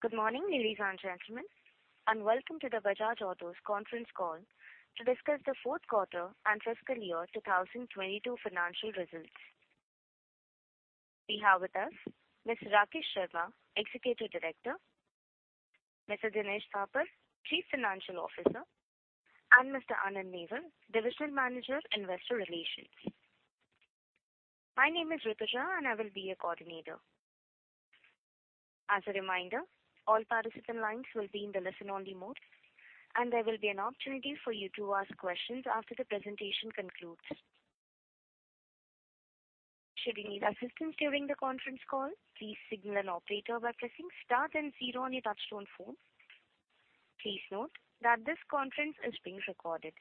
Good morning, ladies and gentlemen, and welcome to the Bajaj Auto's conference call to discuss the fourth quarter and fiscal year 2022 financial results. We have with us Mr. Rakesh Sharma, Executive Director, Mr. Dinesh Thapar, Chief Financial Officer, and Mr. Anand Newar, Division Manager, Investor Relations. My name is Rutuja, and I will be your coordinator. As a reminder, all participant lines will be in the listen-only mode, and there will be an opportunity for you to ask questions after the presentation concludes. Should you need assistance during the conference call, please signal an operator by pressing star then zero on your touchtone phone. Please note that this conference is being recorded.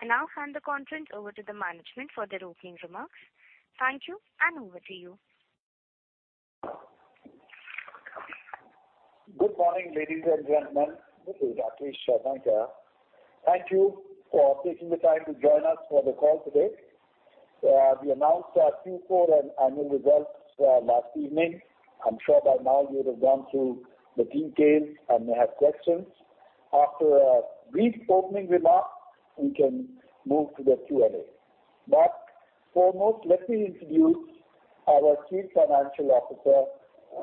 I now hand the conference over to the management for their opening remarks. Thank you, and over to you. Good morning, ladies and gentlemen. This is Rakesh Sharma here. Thank you for taking the time to join us for the call today. We announced our Q4 and annual results last evening. I'm sure by now you would have gone through the details and may have questions. After a brief opening remark, we can move to the Q&A. Foremost, let me introduce our Chief Financial Officer,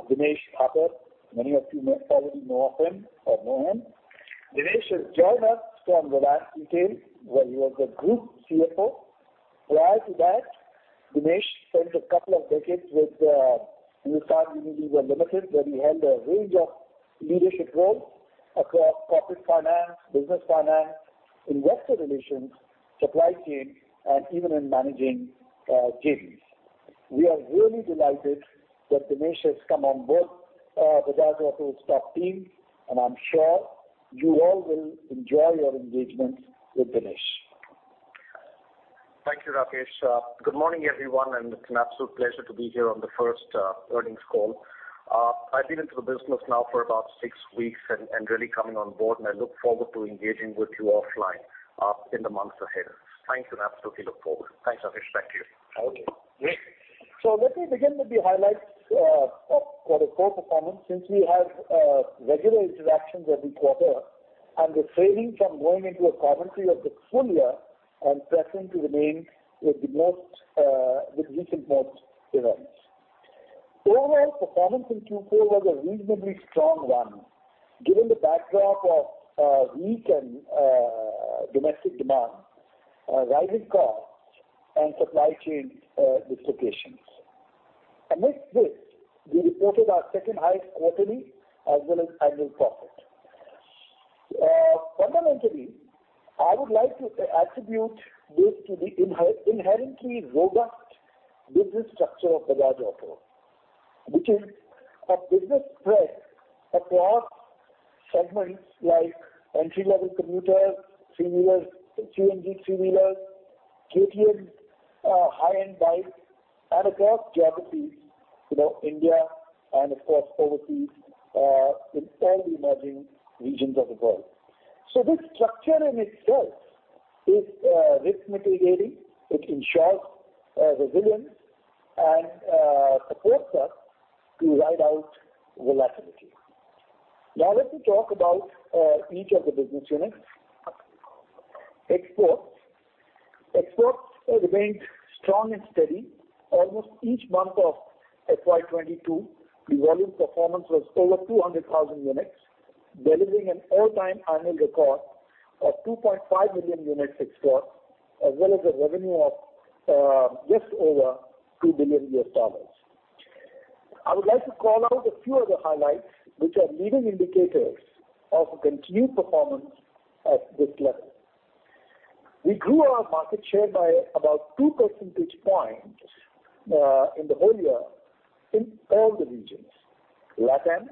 Dinesh Thapar. Many of you may probably know of him or know him. Dinesh has joined us from Reliance Retail, where he was the Group CFO. Prior to that, Dinesh spent a couple of decades with Hindustan Unilever Limited, where he held a range of leadership roles across corporate finance, business finance, investor relations, supply chain, and even in managing JVs. We are really delighted that Dinesh has come on board, Bajaj Auto's top team, and I'm sure you all will enjoy your engagements with Dinesh. Thank you, Rakesh. Good morning, everyone, and it's an absolute pleasure to be here on the first earnings call. I've been into the business now for about six weeks and really coming on board, and I look forward to engaging with you offline in the months ahead. Thanks, and absolutely look forward. Thanks. Rakesh, back to you. Okay, great. Let me begin with the highlights of our core performance since we have regular interactions every quarter and refraining from going into a commentary of the full year and preferring to remain with the most recent events. Overall performance in Q4 was a reasonably strong one, given the backdrop of weak and domestic demand, rising costs and supply chain distributions. Amidst this, we reported our second highest quarterly as well as annual profit. Fundamentally, I would like to attribute this to the inherently robust business structure of Bajaj Auto, which is a business spread across segments like entry-level commuters, three-wheelers, CNG three-wheelers, KTM, high-end bikes, and across geographies, you know, India and of course overseas, in all the emerging regions of the world. This structure in itself is risk mitigating. It ensures resilience and supports us to ride out volatility. Now, let me talk about each of the business units. Exports remained strong and steady. Almost each month of FY 2022, the volume performance was over 200,000 units, delivering an all-time annual record of 2.5 million units export, as well as a revenue of just over $2 billion. I would like to call out a few of the highlights, which are leading indicators of a continued performance at this level. We grew our market share by about 2 percentage points in the whole year in all the regions. Latin,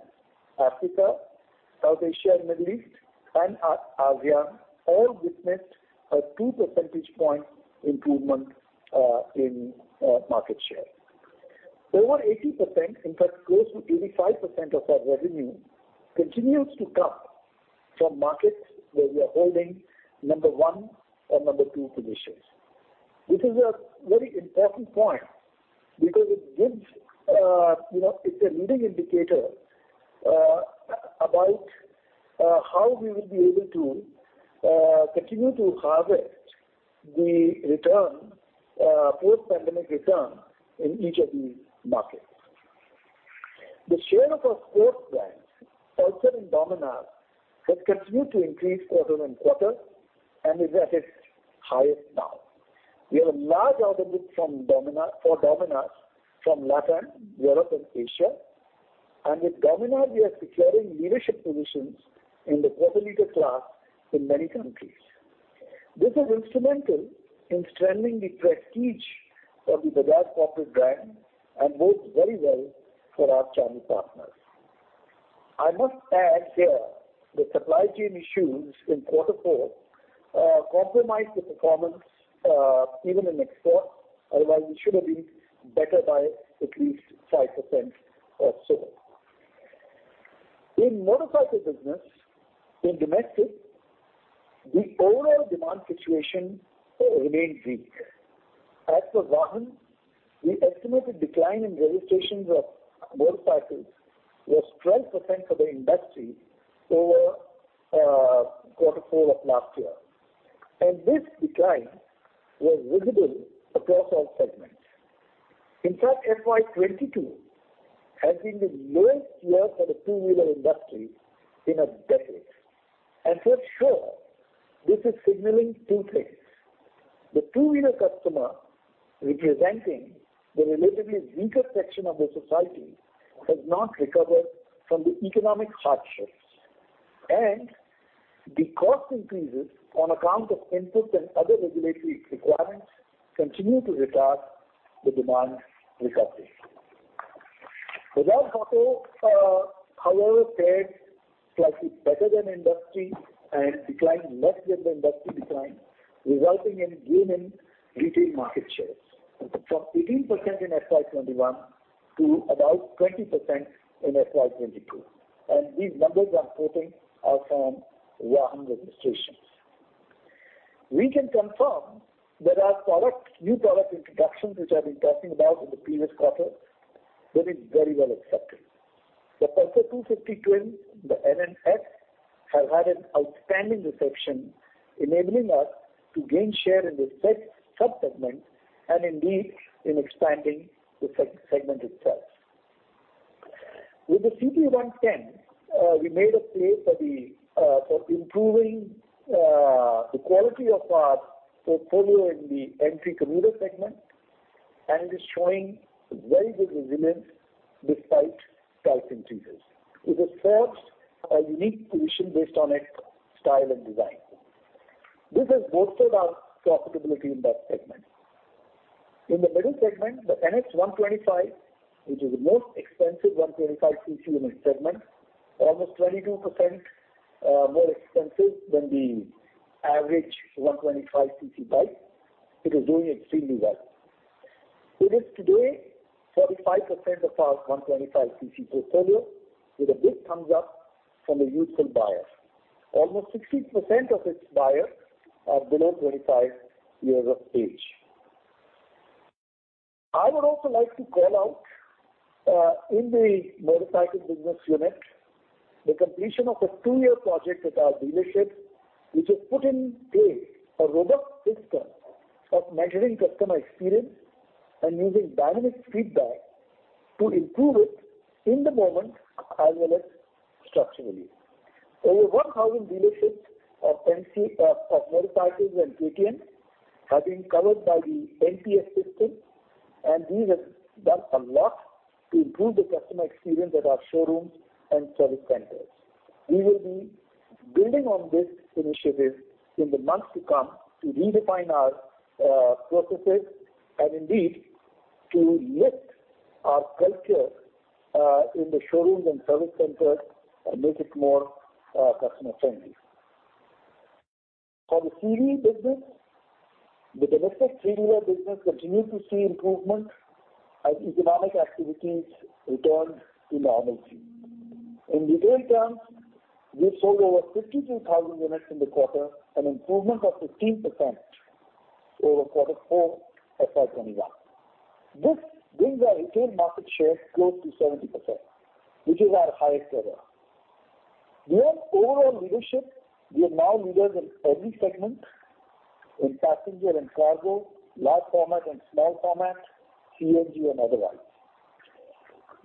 Africa, South Asia, and Middle East and ASEAN all witnessed a 2 percentage point improvement in market share. Over 80%, in fact, close to 85% of our revenue continues to come from markets where we are holding number one or number two positions. This is a very important point because it gives, you know, it's a leading indicator, about how we will be able to continue to harvest the return, post-pandemic return in each of these markets. The share of our sports brands, Pulsar and Dominar, has continued to increase quarter-on-quarter and is at its highest now. We have a large audience from Dominar for Dominar from Latin, Europe and Asia. With Dominar, we are securing leadership positions in the quarter-liter class in many countries. This is instrumental in strengthening the prestige of the Bajaj corporate brand and bodes very well for our channel partners. I must add here that supply chain issues in quarter four compromised the performance even in export. Otherwise, it should have been better by at least 5% or so. In motorcycle business, in domestic, the overall demand situation remained weak. As per VAHAN, we estimated decline in registrations of motorcycles was 12% for the industry over quarter four of last year. This decline was visible across all segments. In fact, FY 2022 has been the lowest year for the two-wheeler industry in a decade. For sure, this is signaling two things. The two-wheeler customer, representing the relatively weaker section of the society, has not recovered from the economic hardships. The cost increases on account of input and other regulatory requirements continue to retard the demand recovery. Bajaj Auto, however, fared slightly better than industry and declined less than the industry decline, resulting in gain in retail market shares from 18% in FY 2021 to about 20% in FY 2022. These numbers I'm quoting are from VAHAN registrations. We can confirm that our products, new product introductions, which I've been talking about in the previous quarter, been very well accepted. The Pulsar 250 twins, the [NSX], have had an outstanding reception, enabling us to gain share in the said sub-segments and indeed in expanding the segment itself. With the CT 110, we made a play for improving the quality of our portfolio in the entry commuter segment, and it is showing very good resilience despite price increases. It asserts a unique position based on its style and design. This has bolstered our profitability in that segment. In the middle segment, the NS125, which is the most expensive 125cc in its segment, almost 22% more expensive than the average 125cc bike. It is doing extremely well. It is today 45% of our 125cc portfolio with a big thumbs up from the youthful buyer. Almost 60% of its buyers are below 25 years of age. I would also like to call out in the motorcycle business unit, the completion of a two-year project with our dealership, which has put in place a robust system of measuring customer experience and using dynamic feedback to improve it in the moment as well as structurally. Over 1,000 dealerships of motorcycles and three-wheelers have been covered by the NPS system, and these have done a lot to improve the customer experience at our showrooms and service centers. We will be building on this initiative in the months to come to redefine our processes and indeed to lift our culture in the showrooms and service centers and make it more customer-friendly. For the three-wheeler business, the domestic three-wheeler business continued to see improvement as economic activities returned to normalcy. In retail terms, we sold over 52,000 units in the quarter, an improvement of 15% over quarter four, FY 2021. This brings our retail market share close to 70%, which is our highest ever. We have overall leadership. We are now leaders in every segment, in passenger and cargo, large format and small format, CNG and otherwise.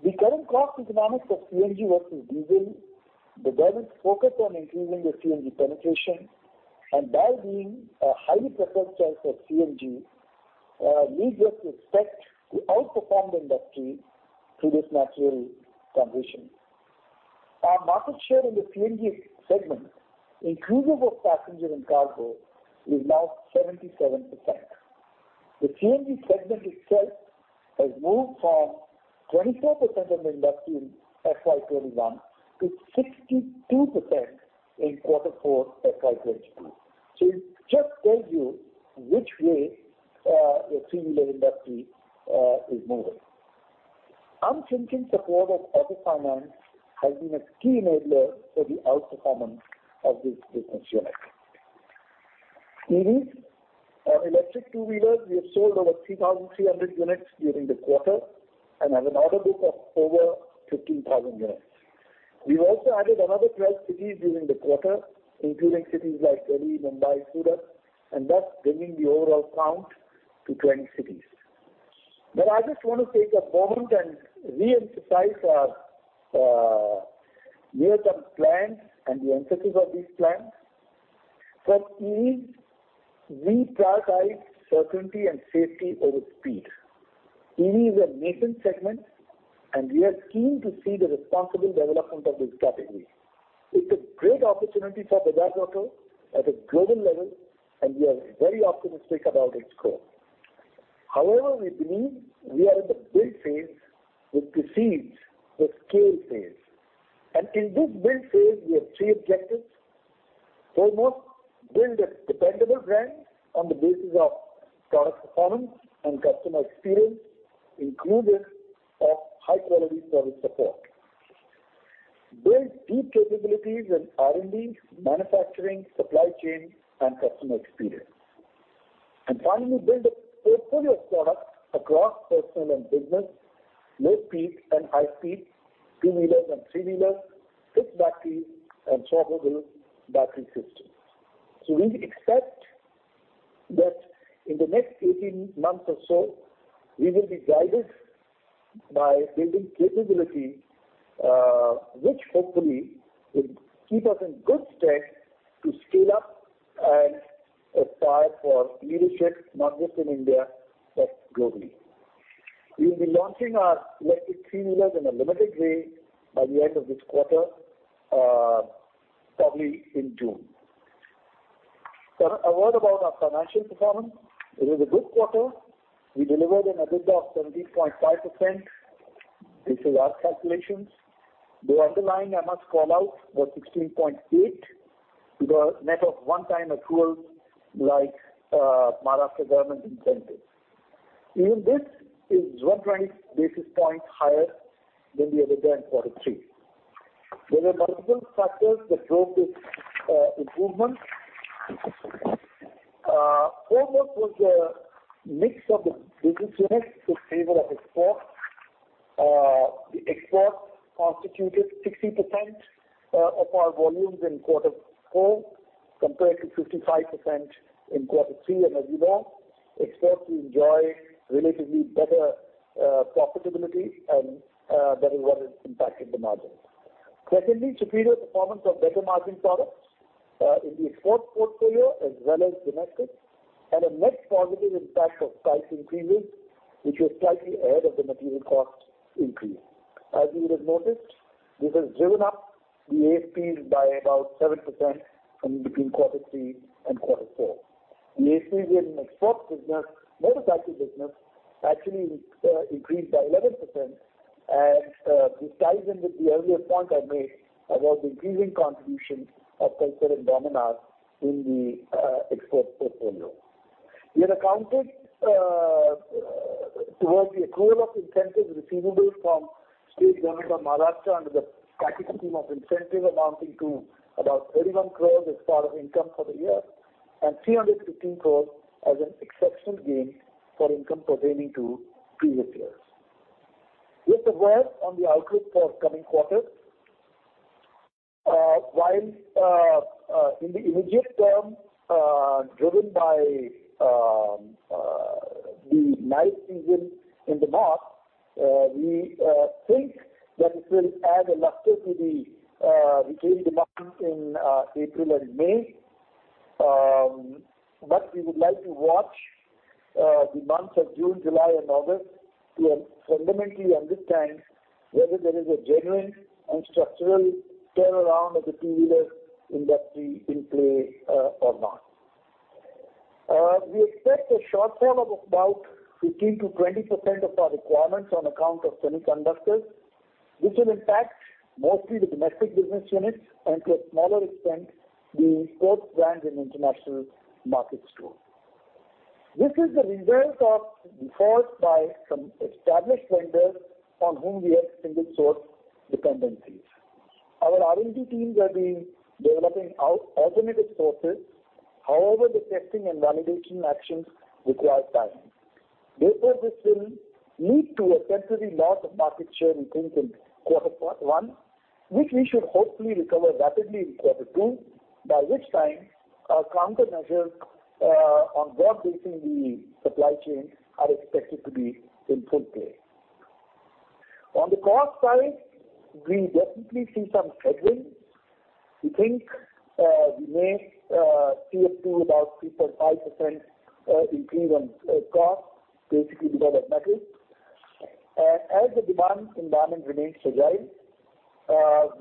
The current cost economics of CNG versus diesel, the government's focus on increasing the CNG penetration, and Bajaj being a highly preferred choice of CNG leads us to expect to outperform the industry through this natural transition. Our market share in the CNG segment, inclusive of passenger and cargo, is now 77%. The CNG segment itself has moved from 24% of the industry in FY 2021 to 62% in quarter four, FY 2022. It just tells you which way the three-wheeler industry is moving. [I'm thinking] support of the finance has been a key enabler for the outperformance of this business unit. EVs, electric two-wheelers, we have sold over 3,300 units during the quarter and have an order book of over 15,000 units. We've also added another 12 cities during the quarter, including cities like Delhi, Mumbai, Surat, and that's bringing the overall count to 20 cities. I just want to take a moment and reemphasize our near-term plans and the emphasis of these plans. For EVs, we prioritize certainty and safety over speed. EV is a nascent segment, and we are keen to see the responsible development of this category. It's a great opportunity for Bajaj Auto at a global level, and we are very optimistic about its growth. However, we believe we are in the build phase, which precedes the scale phase. In this build phase, we have three objectives. Foremost, build a dependable brand on the basis of product performance and customer experience, inclusive of high quality service support. Build deep capabilities in R&D, manufacturing, supply chain, and customer experience. Finally, build a portfolio of products across personal and business, low speed and high speed, two-wheelers and three-wheelers, fixed battery and swappable battery systems. We expect that in the next 18 months or so, we will be guided by building capabilities, which hopefully will keep us in good stead to scale up and aspire for leadership, not just in India, but globally. We will be launching our electric three-wheeler in a limited way by the end of this quarter, probably in June. A word about our financial performance. It was a good quarter. We delivered an EBITDA of 17.5%. This is our calculations. The underlying call out was 16.8, the net of one-time accruals like, Maharashtra government incentives. Even this is 120 basis points higher than the other quarter three. There were multiple factors that drove this improvement. Foremost was a mix of the business units in favor of export. The export constituted 60% of our volumes in quarter four, compared to 55% in quarter three and EBITDA. Exports, we enjoy relatively better profitability and that is what has impacted the margins. Secondly, superior performance of better margin products in the export portfolio as well as domestic, and a net positive impact of price increases, which was slightly ahead of the material cost increase. As you would have noticed, this has driven up the ASPs by about 7% in between quarter three and quarter four. The ASPs in export business, motorcycle business actually, increased by 11%. To tie in with the earlier point I made about the increasing contribution of Pulsar and Dominar in the export portfolio. We had accounted towards the accrual of incentives receivables from state government of Maharashtra under the Package Scheme of Incentives amounting to about 31 crore as part of income for the year and 315 crore as an exceptional gain for income pertaining to previous years. With regard to the outlook for coming quarters, while in the immediate term driven by the high season in demand, we think that it will add a luster to the retail demand in April and May. We would like to watch the months of June, July and August to fundamentally understand whether there is a genuine and structural turnaround of the two-wheeler industry in play, or not. We expect a shortfall of about 15%-20% of our requirements on account of semiconductors, which will impact mostly the domestic business units and to a smaller extent, the export brands in international markets too. This is the result of defaults by some established vendors on whom we had single source dependencies. Our R&D teams are developing out alternative sources. However, the testing and validation actions require time. Therefore, this will lead to a temporary loss of market share in quarter one, which we should hopefully recover rapidly in quarter two, by which time our countermeasures on-ground basing the supply chain are expected to be in full play. On the cost side, we definitely see some headwinds. We think we may see up to about 3.5% increase on cost, basically because of metals. As the demand environment remains agile,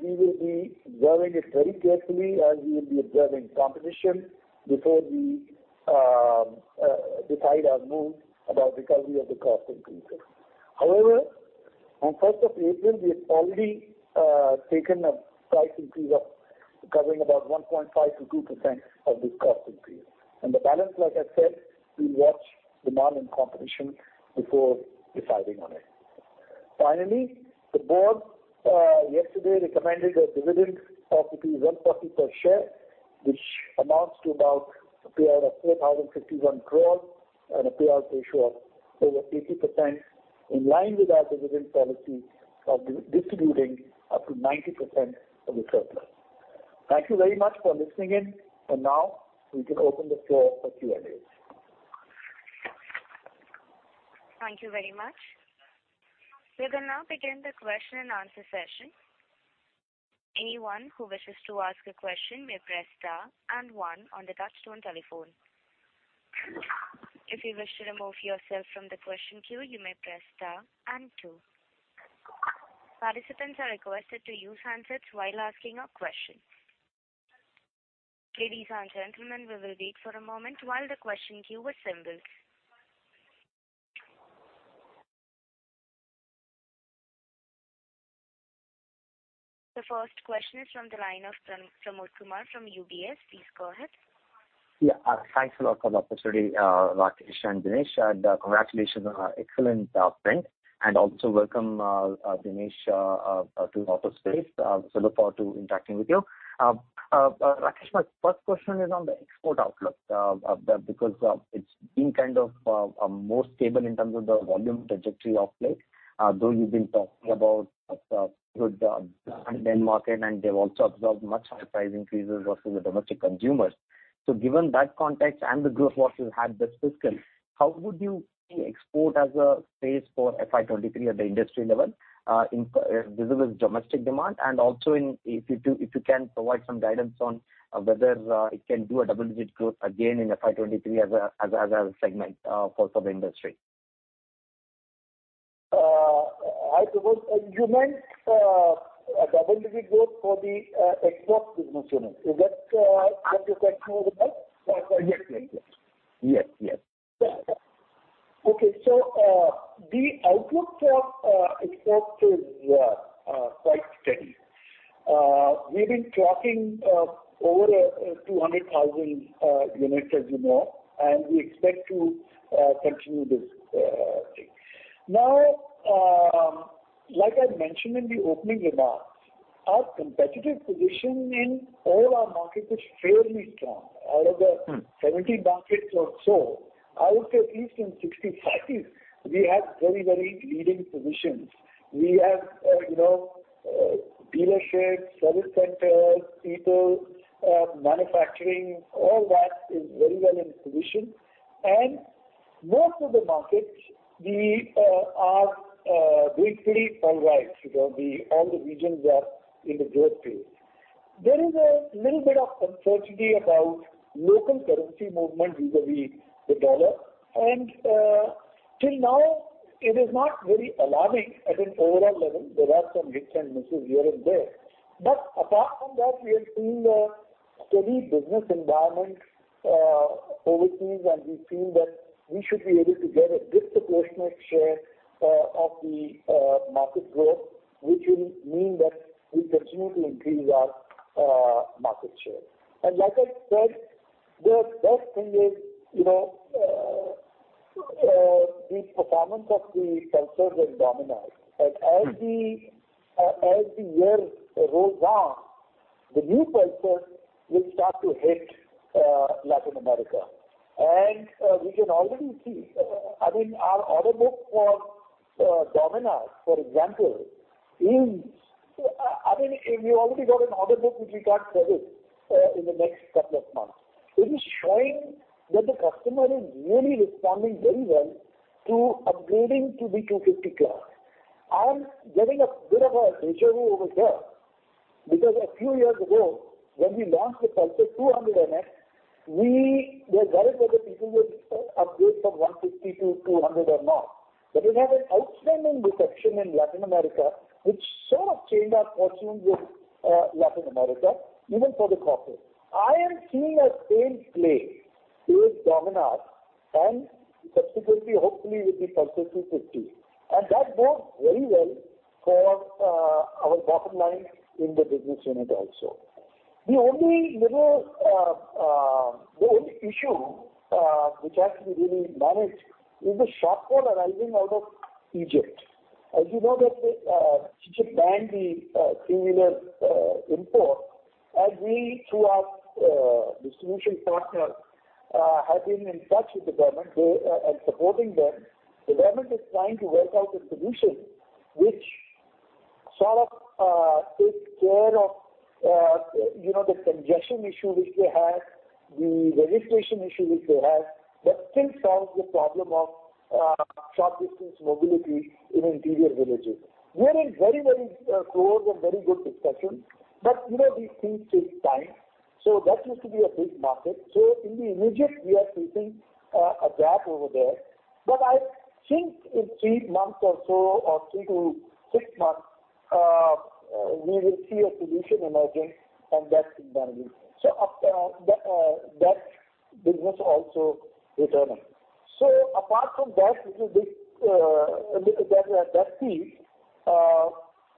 we will be observing it very carefully, and we will be observing competition before we decide our move about recovery of the cost increases. However, on first of April, we have already taken a price increase of recovering about 1.5%-2% of this cost increase. The balance, like I said, we'll watch demand and competition before deciding on it. Finally, the board yesterday recommended a dividend of 140 per share, which amounts to about a payout of 4,051 crore and a payout ratio of over 80%, in line with our dividend policy of distributing up to 90% of the surplus. Thank you very much for listening in. Now we can open the floor for Q&A. Thank you very much. We will now begin the question and answer session. Anyone who wishes to ask a question may press star and one on the touchtone telephone. If you wish to remove yourself from the question queue, you may press star and two. Participants are requested to use handsets while asking a question. Ladies and gentlemen, we will wait for a moment while the question queue assembles. The first question is from the line of Pramod Kumar from UBS. Please go ahead. Yeah. Thanks a lot for the opportunity, Rakesh and Dinesh, and congratulations on an excellent print. Also welcome, Dinesh, to the autospace. Look forward to interacting with you. Rakesh, my first question is on the export outlook, because it's been kind of more stable in terms of the volume trajectory of late. Though you've been talking about good demand market, and they've also absorbed much higher price increases versus the domestic consumers. Given that context and the growth what you had this fiscal, how would you see export as a space for FY 2023 at the industry level, vis-a-vis domestic demand and if you can provide some guidance on whether it can do a double-digit growth again in FY 2023 as a segment for the industry? I suppose you meant a double-digit growth for the export business unit. Is that what you're talking about? Yes. Okay. The outlook for exports is quite steady. We've been tracking over 200,000 units as you know, and we expect to continue this thing. Now, like I mentioned in the opening remarks, our competitive position in all our markets is fairly strong. Out of the Mm-hmm. 70 markets or so, I would say at least in 65, we have very, very leading positions. We have, you know, dealerships, service centers, people, manufacturing, all that is very well in position. Most of the markets we are doing pretty all right. You know, all the regions are in the growth phase. There is a little bit of uncertainty about local currency movement vis-a-vis the dollar. Till now it is not very alarming at an overall level. There are some hits and misses here and there. Apart from that, we have seen a steady business environment overseas, and we feel that we should be able to get a good proportionate share of the market growth, which will mean that we continue to increase our market share. Like I said, the best thing is, you know, the performance of the Pulsars and Dominars. As the year rolls on, the new Pulsars will start to hit Latin America. We can already see, I mean, our order book for Dominar, for example, is, I mean, we already got an order book which we can't service in the next couple of months. It is showing that the customer is really responding very well to upgrading to the 250cc. I'm getting a bit of a déjà vu over here because a few years ago when we launched the Pulsar 200 NX, we were worried whether people will upgrade from 150ccc to 200cc or not. It had an outstanding reception in Latin America, which sort of changed our fortunes with Latin America even for the [Kraken]. I am seeing the same play with Dominar and subsequently hopefully with the Pulsar 250. That bodes very well for our bottom line in the business unit also. The only issue which has to be really managed is the shortfall arising out of Egypt. As you know that Egypt banned the three-wheeler import. We, through our distribution partner, have been in touch with the government. They and supporting them. The government is trying to work out a solution which sort of takes care of, you know, the congestion issue which they have, the registration issue which they have, but still solves the problem of short distance mobility in interior villages. We are in very, very close and very good discussions. You know, these things take time. That used to be a big market. In the interim we are facing a gap over there. I think in three months or so or three to six months we will see a solution emerging and that will manage it. That business also returning. Apart from that little bit, little that piece,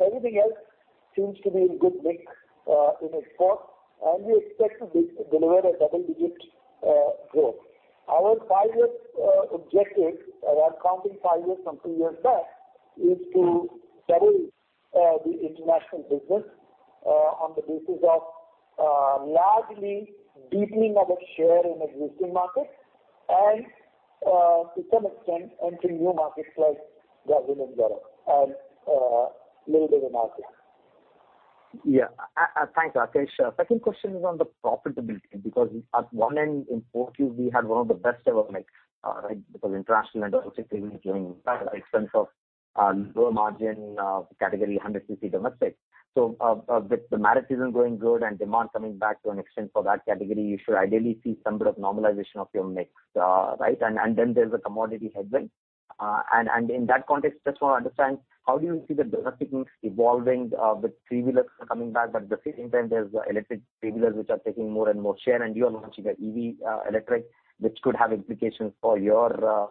everything else seems to be in good nick in export, and we expect to deliver a double-digit growth. Our five-year objective, we are counting five years from two years back, is to double the international business on the basis of largely deepening our share in existing markets and to some extent entering new markets like Latin America and little bit of Africa. Yeah. Thanks, Rakesh. Second question is on the profitability, because at one end in 4Q we had one of the best ever mix, right? Because international and domestic business doing better at the expense of lower margin category 100cc domestic. With the marriage season going good and demand coming back to an extent for that category, you should ideally see some bit of normalization of your mix. Right? Then there's a commodity headwind. In that context, just want to understand how do you see the domestic mix evolving with three-wheelers coming back, but at the same time there's electric three-wheelers which are taking more and more share, and you are launching an EV electric, which could have implications for your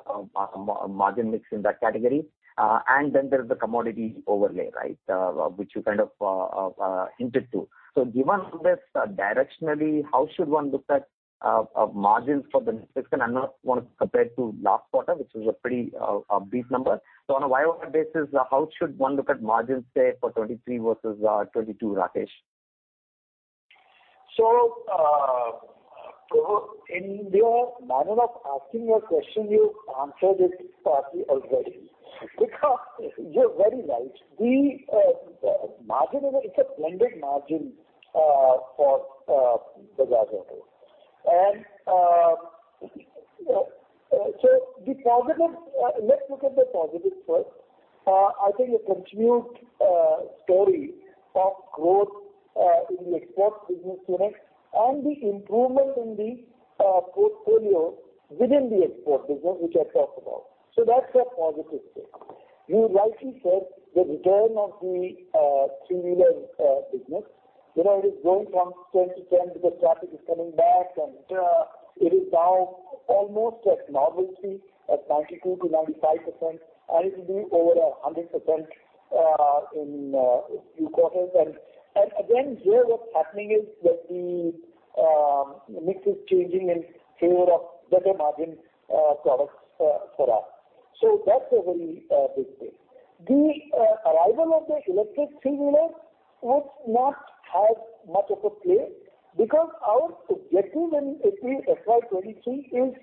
margin mix in that category. There's the commodity overlay, right? Which you kind of hinted to. Given all this, directionally, how should one look at margins for the next six months? I know it's compared to last quarter, which was a pretty upbeat number. On a year-over-year basis, how should one look at margins, say, for 2023 versus 2022, Rakesh? In your manner of asking your question, you answered it partly already. Because you're very right. The margin, it's a blended margin for Bajaj Auto. Let's look at the positives first. I think a continued story of growth in the export business unit and the improvement in the portfolio within the export business, which I talked about. That's a positive thing. You rightly said the return of the three-wheeler business. You know, it is growing from strength to strength because traffic is coming back, and it is now almost at normalcy, at 92%-95%, and it will be over 100% in a few quarters. Again, here what's happening is that the mix is changing in favor of better margin products for us. So that's a very big thing. The arrival of the electric three-wheeler would not have much of a play because our objective in FY 2023 is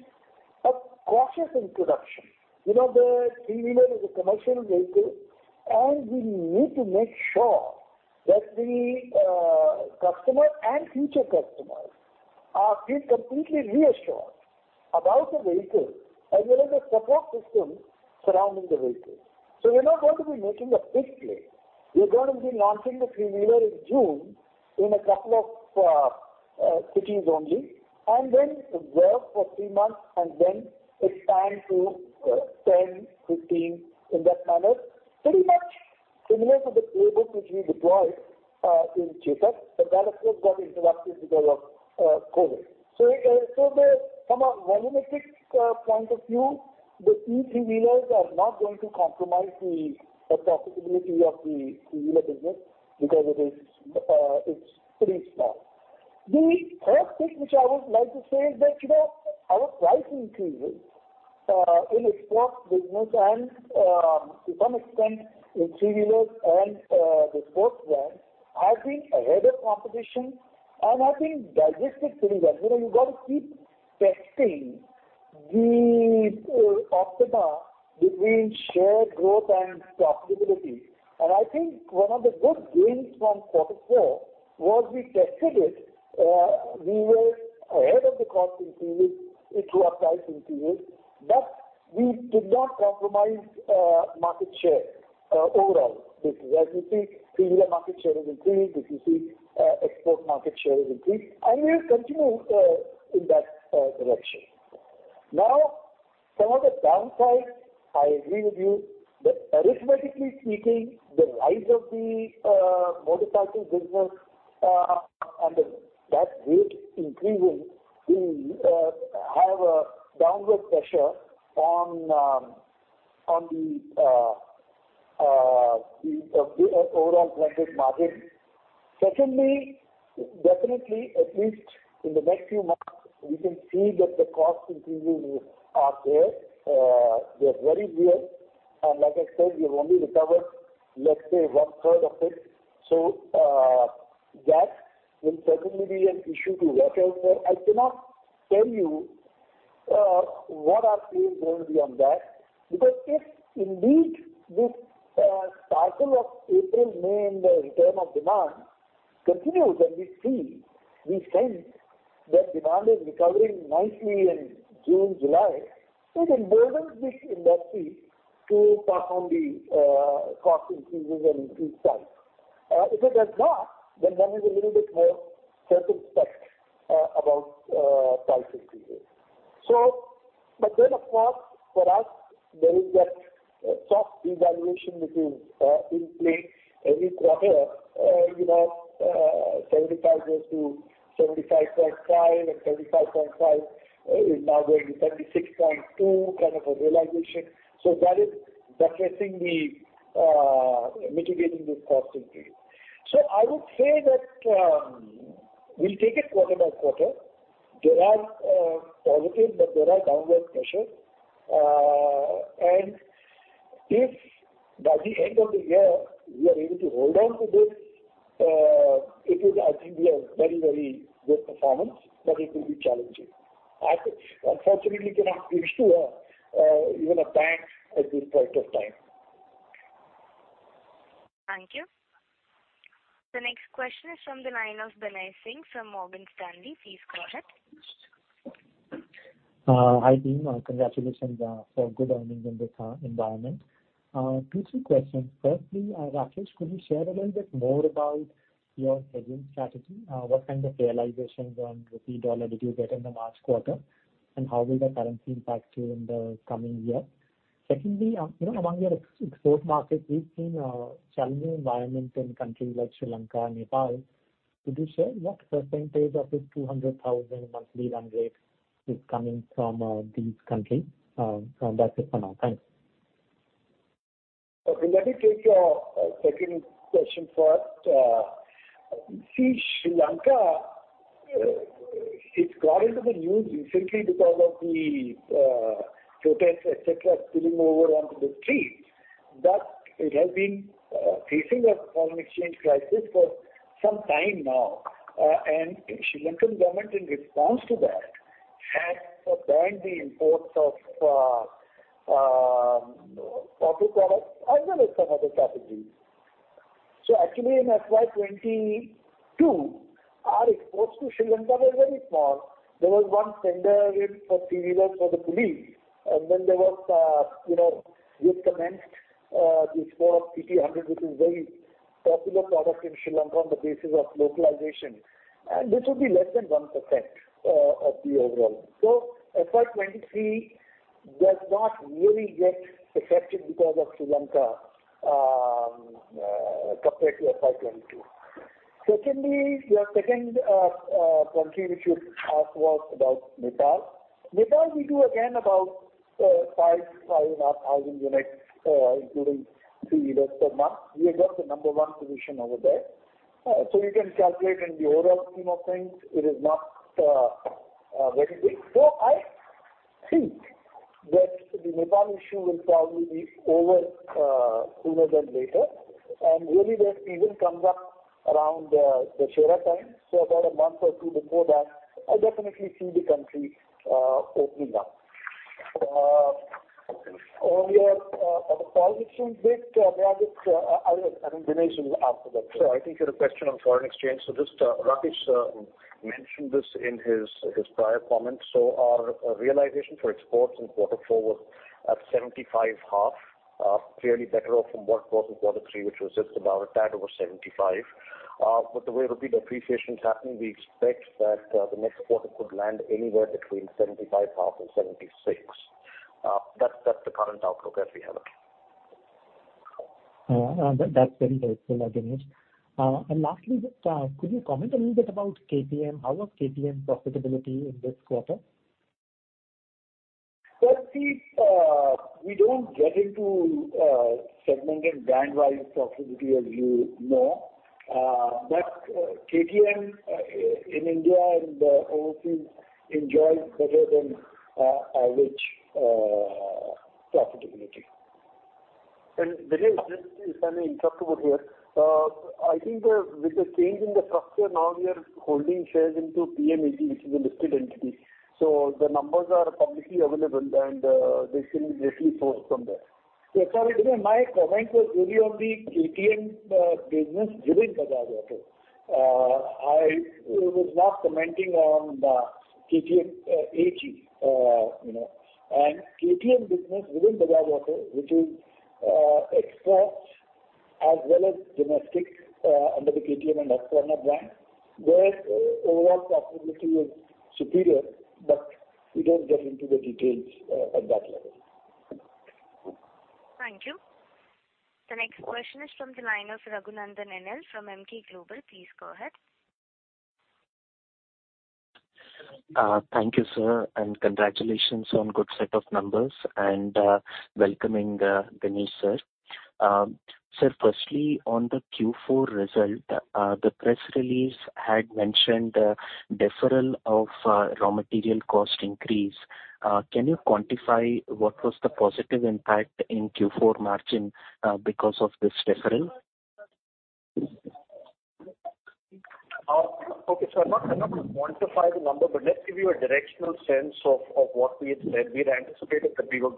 a cautious introduction. You know, the three-wheeler is a commercial vehicle, and we need to make sure that the customer and future customers are feel completely reassured about the vehicle as well as the support system surrounding the vehicle. So we're not going to be making a big play. We're going to be launching the three-wheeler in June in a couple of cities only, and then observe for three months, and then expand to 10, 15, in that manner. Pretty much similar to the [playbook] which we deployed in, but that, of course, got interrupted because of COVID. From a volumetric point of view, the e-three-wheelers are not going to compromise the profitability of the three-wheeler business because it is pretty small. The third thing which I would like to say is that, you know, our price increases in export business and, to some extent in three-wheelers and the two-wheelers, have been ahead of competition and have been digested pretty well. You know, you got to keep testing the optimum between share growth and profitability. I think one of the good gains from quarter four was we tested it. We were ahead of the cost increases through our price increases, but we did not compromise market share overall. This is as you see, three-wheeler market share has increased, export market share has increased, and we'll continue in that direction. Now, some of the downsides, I agree with you that arithmetically speaking, the rise of the motor parts business and that rate increasing will have a downward pressure on the overall blended margin. Secondly, definitely, at least in the next few months, we can see that the cost increases are there. They're very real. Like I said, we've only recovered, let's say, one third of it. That will certainly be an issue to watch out for. I cannot tell you what our plan's going to be on that, because if indeed this cycle of April, May, and the return of demand continues, and we sense that demand is recovering nicely in June, July, it emboldens this industry to pass on the cost increases and increase price. If it does not, then one is a little bit more circumspect about price increases. Of course, for us, there is that soft devaluation which is in play every quarter. You know, 75 goes to 75.5, and 75.5 is now going to 76.2 kind of a realization. That is definitely mitigating this cost increase. I would say that we'll take it quarter by quarter. There are positives, but there are downward pressures. If by the end of the year we are able to hold on to this, it will, I think, be a very, very good performance, but it will be challenging. I unfortunately cannot give you a, even a time at this point of time. Thank you. The next question is from the line of Binay Singh from Morgan Stanley. Please go ahead. Hi, team. Congratulations for good earnings in this environment. Two, three questions. Firstly, Rakesh, could you share a little bit more about your hedging strategy? What kind of realizations on rupee-dollar did you get in the March quarter? And how will the currency impact you in the coming year? Secondly, you know, among your export markets, we've seen a challenging environment in countries like Sri Lanka and Nepal. Could you share what percentage of this 200,000 monthly run rate is coming from these countries? That's it for now. Thanks. Okay. Let me take your second question first. See Sri Lanka, it's got into the news recently because of the protests, et cetera, spilling over onto the streets. It has been facing a foreign exchange crisis for some time now. Sri Lankan government, in response to that, has banned the imports of popular products as well as some other categories. Actually in FY 2022, our exports to Sri Lanka were very small. There was one tender win for three-wheeler for the police, and then there was, you know, we commenced this for CT 100, which is very popular product in Sri Lanka on the basis of localization. This would be less than 1% of the overall. FY 2023 does not really get affected because of Sri Lanka compared to FY 2022. Secondly, your second country which you asked was about Nepal. Nepal we do again about 5,500 units including three-wheelers per month. We have got the number one position over there. You can calculate in the overall scheme of things it is not very big. I think that the Nepal issue will probably be over sooner than later. Really that even comes up around the Dashain time. About a month or two before that, I definitely see the country opening up. I think Dinesh will answer that. Sir, I think you had a question on foreign exchange. Just, Rakesh mentioned this in his prior comments. Our realization for exports in quarter four was at 75.5, clearly better off from what it was in quarter three, which was just about a tad over 75. With the way the INR depreciation is happening, we expect that the next quarter could land anywhere between 75.5 and 76. That's the current outlook as we have it. That's very helpful, Dinesh. Lastly, just, could you comment a little bit about KTM? How was KTM profitability in this quarter? Well, see, we don't get into segment and brand-wise profitability, as you know. KTM in India and overseas enjoyed better than average profitability. just if I may interrupt you here. I think the, with the change in the structure now we are holding shares into PMHE, which is a listed entity. The numbers are publicly available and, they can easily source from there. Sorry, Dinesh, my comment was really on the KTM business within Bajaj Auto. I was not commenting on the KTM AG, you know. KTM business within Bajaj Auto, which is exports as well as domestic under the KTM and Husqvarna brand, their overall profitability was superior, but we don't get into the details at that level. Thank you. The next question is from the line of Raghunandhan NL from Emkay Global. Please go ahead. Thank you, sir, and congratulations on good set of numbers, and welcoming Dinesh, sir. Sir, firstly, on the Q4 result, the press release had mentioned the deferral of raw material cost increase. Can you quantify what was the positive impact in Q4 margin because of this deferral? I'm not able to quantify the number, but let's give you a directional sense of what we had said. We had anticipated that we were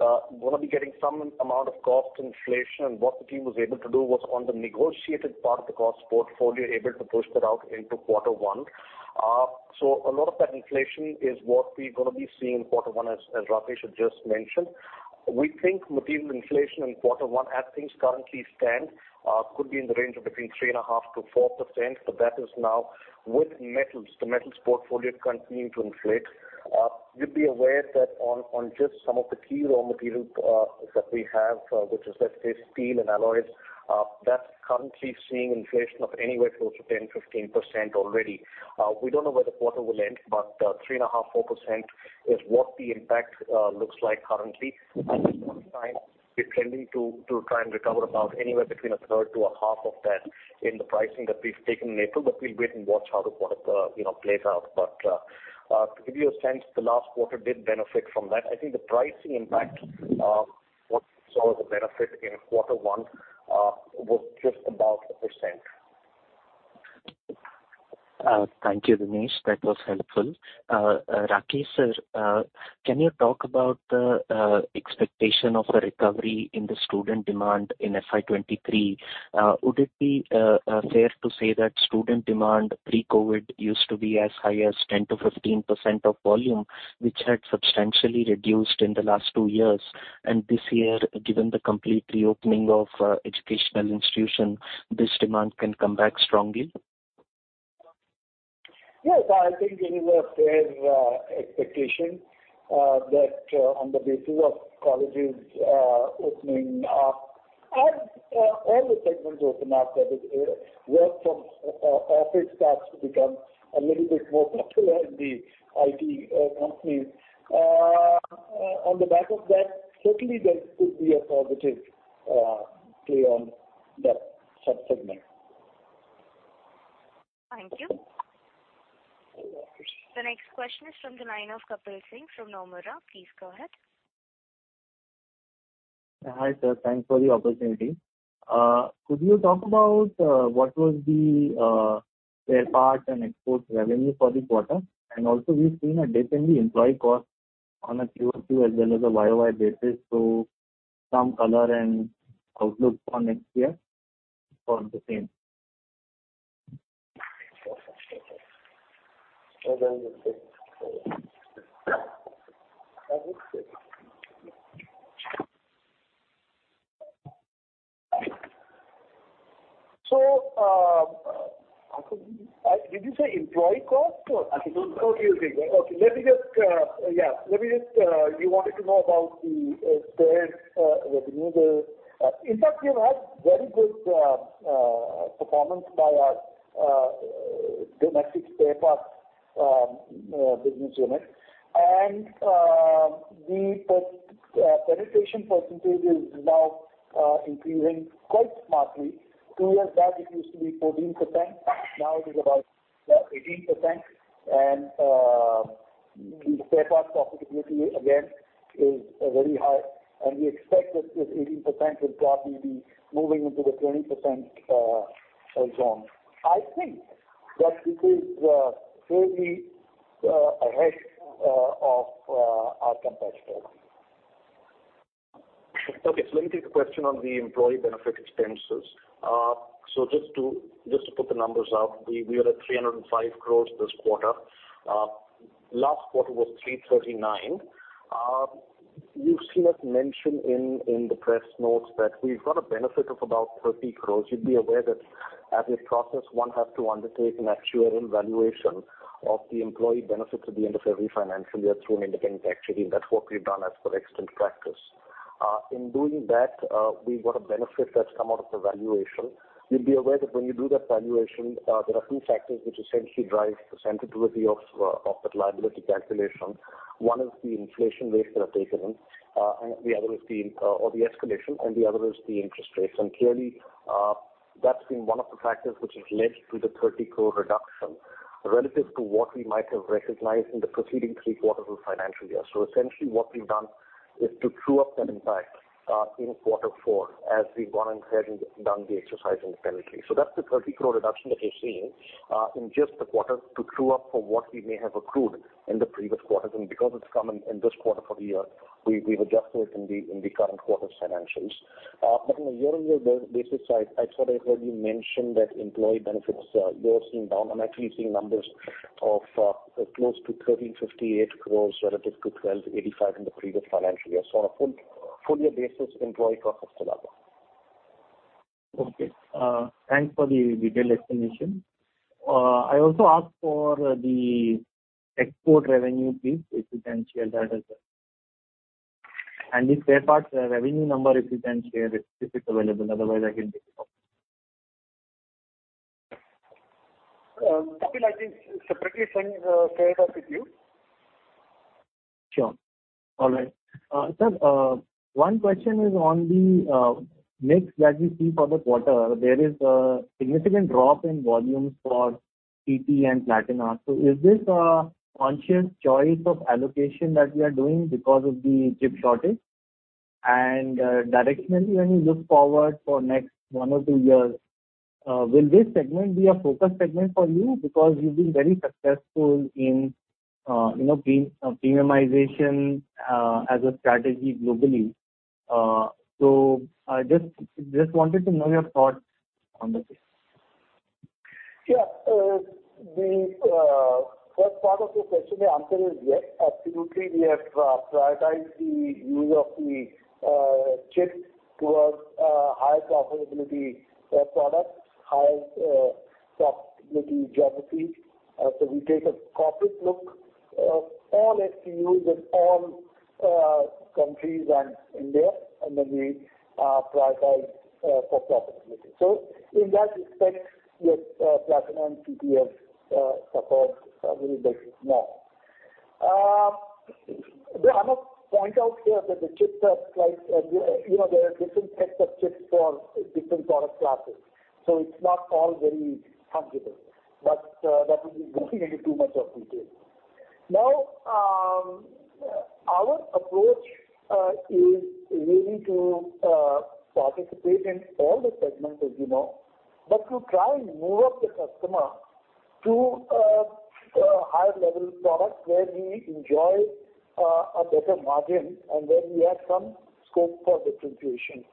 gonna be getting some amount of cost inflation. What the team was able to do was on the negotiated part of the cost portfolio, able to push that out into quarter one. A lot of that inflation is what we're gonna be seeing in quarter one, as Rakesh had just mentioned. We think material inflation in quarter one, as things currently stand, could be in the range of between 3.5%-4%, but that is now with metals. The metals portfolio continuing to inflate. You'd be aware that on just some of the key raw materials that we have, which is let's say steel and alloys, that's currently seeing inflation of anywhere close to 10%-15% already. We don't know where the quarter will end, but 3.5%-4% is what the impact looks like currently. This one time we're planning to try and recover about anywhere between a third to a half of that in the pricing that we've taken in April. We'll wait and watch how the quarter you know plays out. To give you a sense, the last quarter did benefit from that. I think the pricing impact what we saw as a benefit in quarter one was just about 1%. Thank you, Dinesh. That was helpful. Rakesh, sir, can you talk about the expectation of a recovery in the student demand in FY 2023? Would it be fair to say that student demand pre-COVID used to be as high as 10%-15% of volume, which had substantially reduced in the last two years? This year, given the complete reopening of educational institution, this demand can come back strongly? Yes, I think it is a fair expectation that on the basis of colleges opening up and all the segments open up that work from office starts to become a little bit more popular in the IT companies. On the back of that, certainly there could be a positive play on that sub-segment. Thank you. [Of course] The next question is from the line of Kapil Singh from Nomura. Please go ahead. Hi, sir. Thanks for the opportunity. Could you talk about what was the spare parts and export revenue for this quarter? Also we've seen a dip in the employee cost on a QoQ as well as a YOY basis. Some color and outlook for next year for the same. Did you say employee cost? Okay. Let me just yeah. You wanted to know about the sales revenue. In fact, we've had very good performance by our domestic spare parts business unit. The penetration percentage is now increasing quite smartly. Two years back it used to be 14%, now it is about 18%. The spare parts profitability again is very high, and we expect that this 18% will probably be moving into the 20% zone. I think that it is fairly ahead of our competitors. Okay. Let me take a question on the employee benefit expenses. Just to put the numbers up, we are at 305 crore this quarter. Last quarter was 339 crore. You've seen us mention in the press notes that we've got a benefit of about 30 crore. You'd be aware that as we process, one has to undertake an actuarial valuation of the employee benefits at the end of every financial year through an independent actuary. That's what we've done as per extant practice. In doing that, we've got a benefit that's come out of the valuation. You'll be aware that when you do that valuation, there are two factors which essentially drive the sensitivity of that liability calculation. One is the inflation rates that are taken in, and the other is the escalation, and the other is the interest rates. Clearly, that's been one of the factors which has led to the 30 crore reduction relative to what we might have recognized in the preceding three quarters of the financial year. Essentially what we've done is to true up that impact in quarter four as we've gone ahead and done the exercise independently. That's the 30 crore reduction that you're seeing in just the quarter to true up for what we may have accrued in the previous quarters. Because it's come in in this quarter for the year, we've adjusted it in the current quarter's financials. On a year-on-year basis, I thought I heard you mention that employee benefits you're seeing down. I'm actually seeing numbers of close to 1,358 crore relative to 1,285 crore in the previous financial year. On a full year basis, employee costs have come down. Okay. Thanks for the detailed explanation. I also asked for the export revenue, please, if you can share that as well. The spare parts revenue number, if you can share it, if it's available. Otherwise I can take it up. Kapil, I think separately, Singh has shared that with you. Sure. All right. Sir, one question is on the mix that we see for the quarter. There is a significant drop in volumes for TT and Platina. Is this a conscious choice of allocation that we are doing because of the chip shortage? Directionally, when you look forward for next one or two years, will this segment be a focus segment for you? Because you've been very successful in, you know, premiumization, as a strategy globally. I just wanted to know your thoughts on the same. Yeah. The first part of your question, the answer is yes. Absolutely, we have prioritized the use of the chips towards high profitability products, high profitability geographies. We take a corporate look of all SKUs in all countries and India, and then we prioritize for profitability. In that respect, yes, Platina and TT have suffered a little bit more. Though I must point out here that, you know, there are different sets of chips for different product classes, so it's not all very fungible. That would be going into too much of detail. Now, our approach is really to participate in all the segments, as you know. To try and move up the customer to a higher level product where we enjoy a better margin and where we have some scope for differentiation.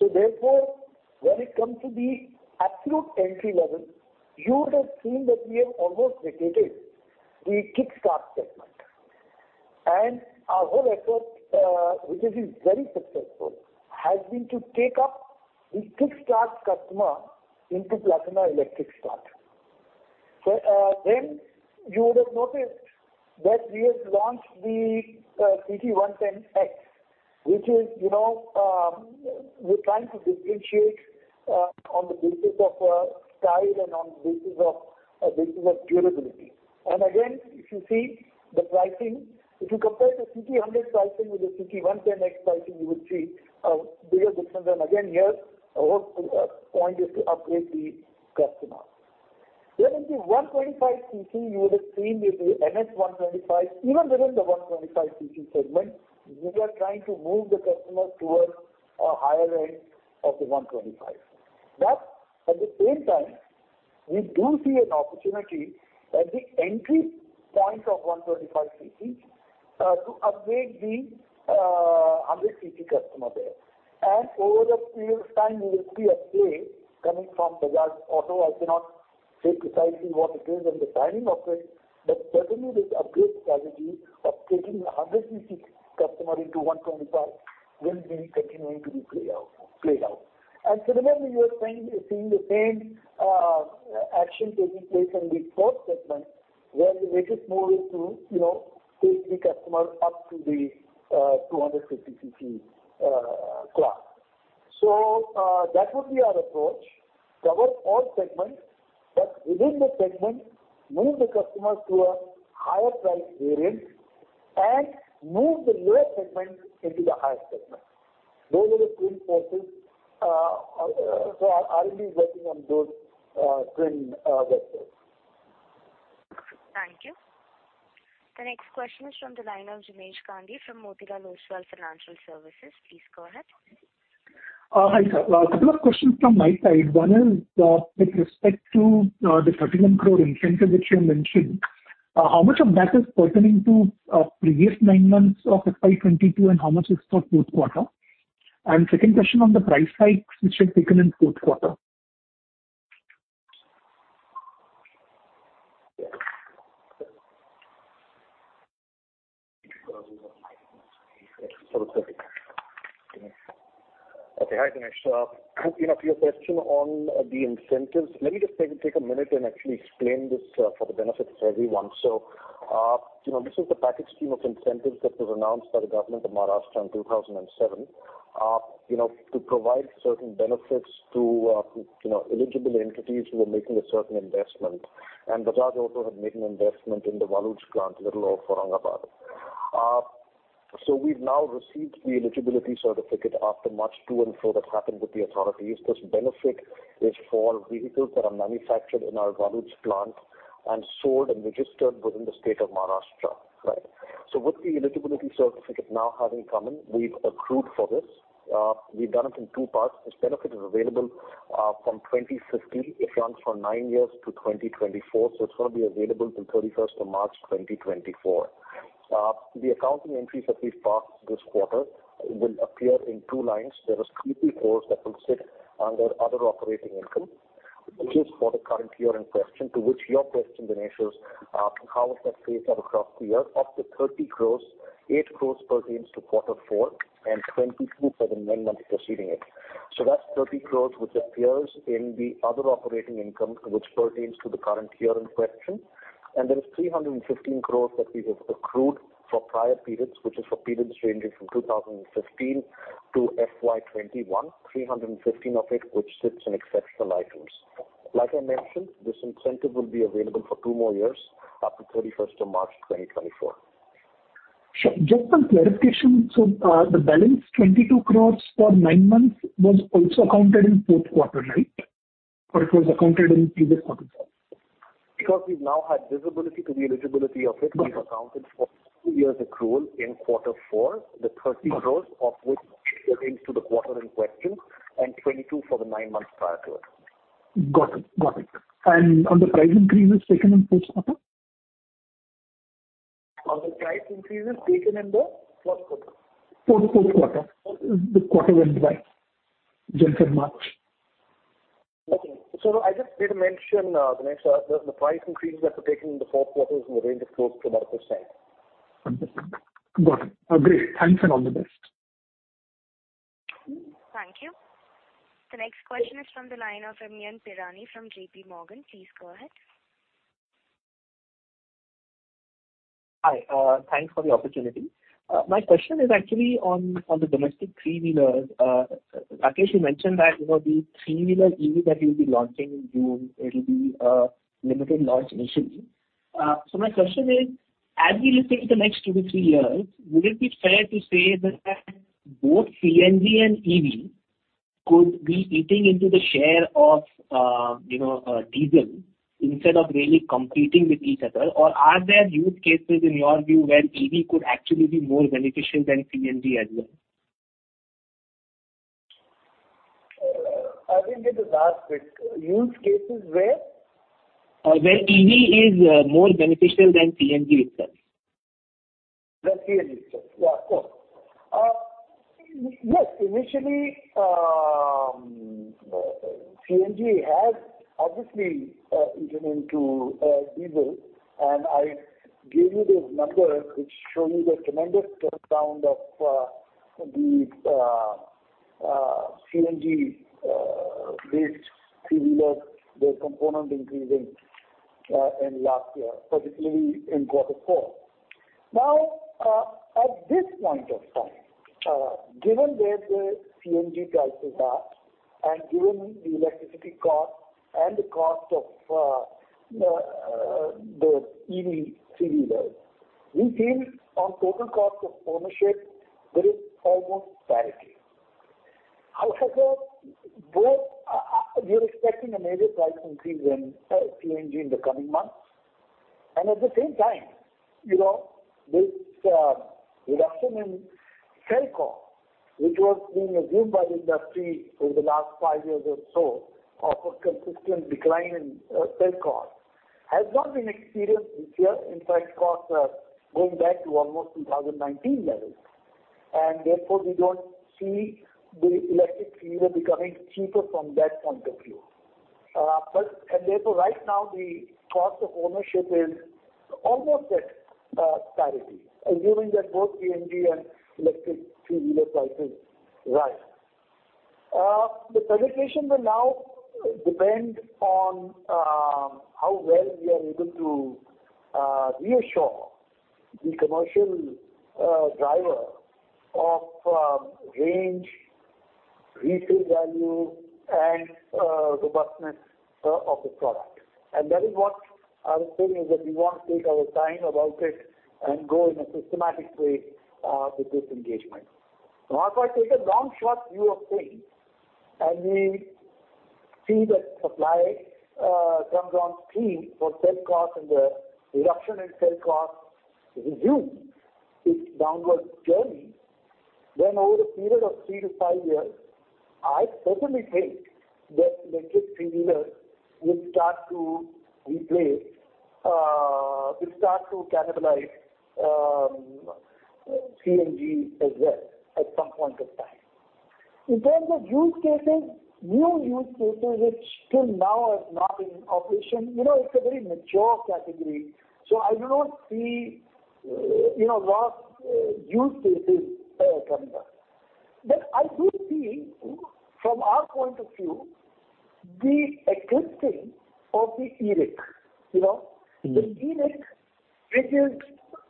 Therefore, when it comes to the absolute entry level, you would have seen that we have almost vacated the kickstart segment. Our whole effort, which has been very successful, has been to take up the kickstart customer into Platina electric start. Then you would have noticed that we have launched the CT 110X, which is, you know, we're trying to differentiate on the basis of style and on the basis of durability. Again, if you see the pricing, if you compare the CT 100 pricing with the CT 110X pricing, you would see a bigger difference. Again, here our whole point is to upgrade the customer. In the 125cc you would have seen with the NS125. Even within the 125cc segment, we are trying to move the customer towards a higher end of the 125cc. At the same time, we do see an opportunity at the entry point of 125cc to upgrade the 100cc customer there. Over a period of time, you will see upgrade coming from Bajaj Auto. I cannot say precisely what it is and the timing of it, but certainly this upgrade strategy of taking a 100cc customer into 125cc will be continuing to be played out. Remember, seeing the same action taking place in the fourth segment, where the latest move is to, you know, take the customer up to the 250cc class. That would be our approach. Cover all segments, but within the segment, move the customers to a higher price variant and move the lower segment into the higher segment. Those are the twin forces. I'll be working on those twin vectors. Thank you. The next question is from the line of Jinesh Gandhi from Motilal Oswal Financial Services. Please go ahead. Hi, sir. A couple of questions from my side. One is, with respect to, the 13 crore incentive which you have mentioned. How much of that is pertaining to, previous nine months of FY 2022 and how much is for fourth quarter? Second question on the price hikes which have taken in fourth quarter. Okay. Hi, Jinesh. You know, for your question on the incentives, let me just take a minute and actually explain this for the benefit of everyone. You know, this is the Package Scheme of Incentives that was announced by the government of Maharashtra in 2007. You know, to provide certain benefits to eligible entities who are making a certain investment. Bajaj also had made an investment in the Waluj plant in Waluj of Aurangabad. We've now received the eligibility certificate after much to-and-fro that happened with the authorities. This benefit is for vehicles that are manufactured in our Waluj plant and sold and registered within the state of Maharashtra. Right. With the eligibility certificate now having come in, we've accrued for this. We've done it in two parts. This benefit is available from 2015. It runs for nine years to 2024, so it's gonna be available till March 31st, 2024. The accounting entries that we've passed this quarter will appear in two lines. There is 3 crore that will sit under other operating income, which is for the current year in question, to which your question, Dinesh, is how is that phased out across the year. Of the 30 crore, 8 crore pertains to quarter four and 22 crore for the nine months preceding it. That's 30 crore, which appears in the other operating income, which pertains to the current year in question. There is 315 crore that we have accrued for prior periods, which is for periods ranging from 2015 to FY 2021. 315 crore of it, which sits in exceptional items. Like I mentioned, this incentive will be available for two more years up to March 31st, 2024. Sure. Just one clarification. The balance 22 crore for nine months was also accounted in fourth quarter, right? It was accounted in previous quarters? Because we've now had visibility to the eligibility of it. Got it. We've accounted for two years accrual in quarter four. The 30 crore of which pertains to the quarter in question and 22 crore for the nine months prior to it. Got it. On the price increases taken in fourth quarter? On the price increases taken in the fourth quarter. For the fourth quarter. The quarter went by. June through March. I just did mention, Jinesh, the price increases that were taken in the fourth quarter is in the range of close to about 3%. Understood. Got it. Great. Thanks, and all the best. Thank you. The next question is from the line of Amyn Pirani from JPMorgan. Please go ahead. Hi. Thanks for the opportunity. My question is actually on the domestic three-wheelers. Rakesh, you mentioned that, you know, the three-wheeler EV that you'll be launching in June, it'll be a limited launch initially. So my question is, as we look into the next two to three years, would it be fair to say that both CNG and EV could be eating into the share of, you know, diesel instead of really competing with each other? Or are there use cases in your view where EV could actually be more beneficial than CNG as well? I think let us ask it. Use cases where? Where EV is more beneficial than CNG itself. Than CNG itself. Yeah, of course. Yes. Initially, CNG has obviously eaten into diesel. I gave you those numbers which show you the tremendous turnaround of the CNG based three-wheeler, their component increasing in last year, particularly in quarter four. Now, at this point of time, given where the CNG prices are and given the electricity cost and the cost of the EV three-wheeler, we feel on total cost of ownership, there is almost parity. However, we're expecting a major price increase in CNG in the coming months. At the same time, you know, this reduction in cell cost, which was being assumed by the industry over the last five years or so of a consistent decline in cell cost, has not been experienced this year. In fact, costs are going back to almost 2019 levels. Therefore, we don't see the electric three-wheeler becoming cheaper from that point of view. Therefore, right now, the cost of ownership is almost at parity, assuming that both CNG and electric three-wheeler prices rise. The penetration will now depend on how well we are able to reassure the commercial driver of range, resale value and robustness of the product. That is what I was saying, is that we want to take our time about it and go in a systematic way with this engagement. Now, if I take a long shot view of things, and we see that supply comes on stream for cell costs and the reduction in cell costs resumes its downward journey, then over a period of three to five years, I certainly think that electric three-wheeler will start to cannibalize CNG as well at some point of time. In terms of use cases, new use cases which till now are not in operation, you know, it's a very mature category, so I do not see vast use cases coming up. I do see from our point of view the eclipsing of the e-ricks, you know. Mm-hmm. The e-ricks, which is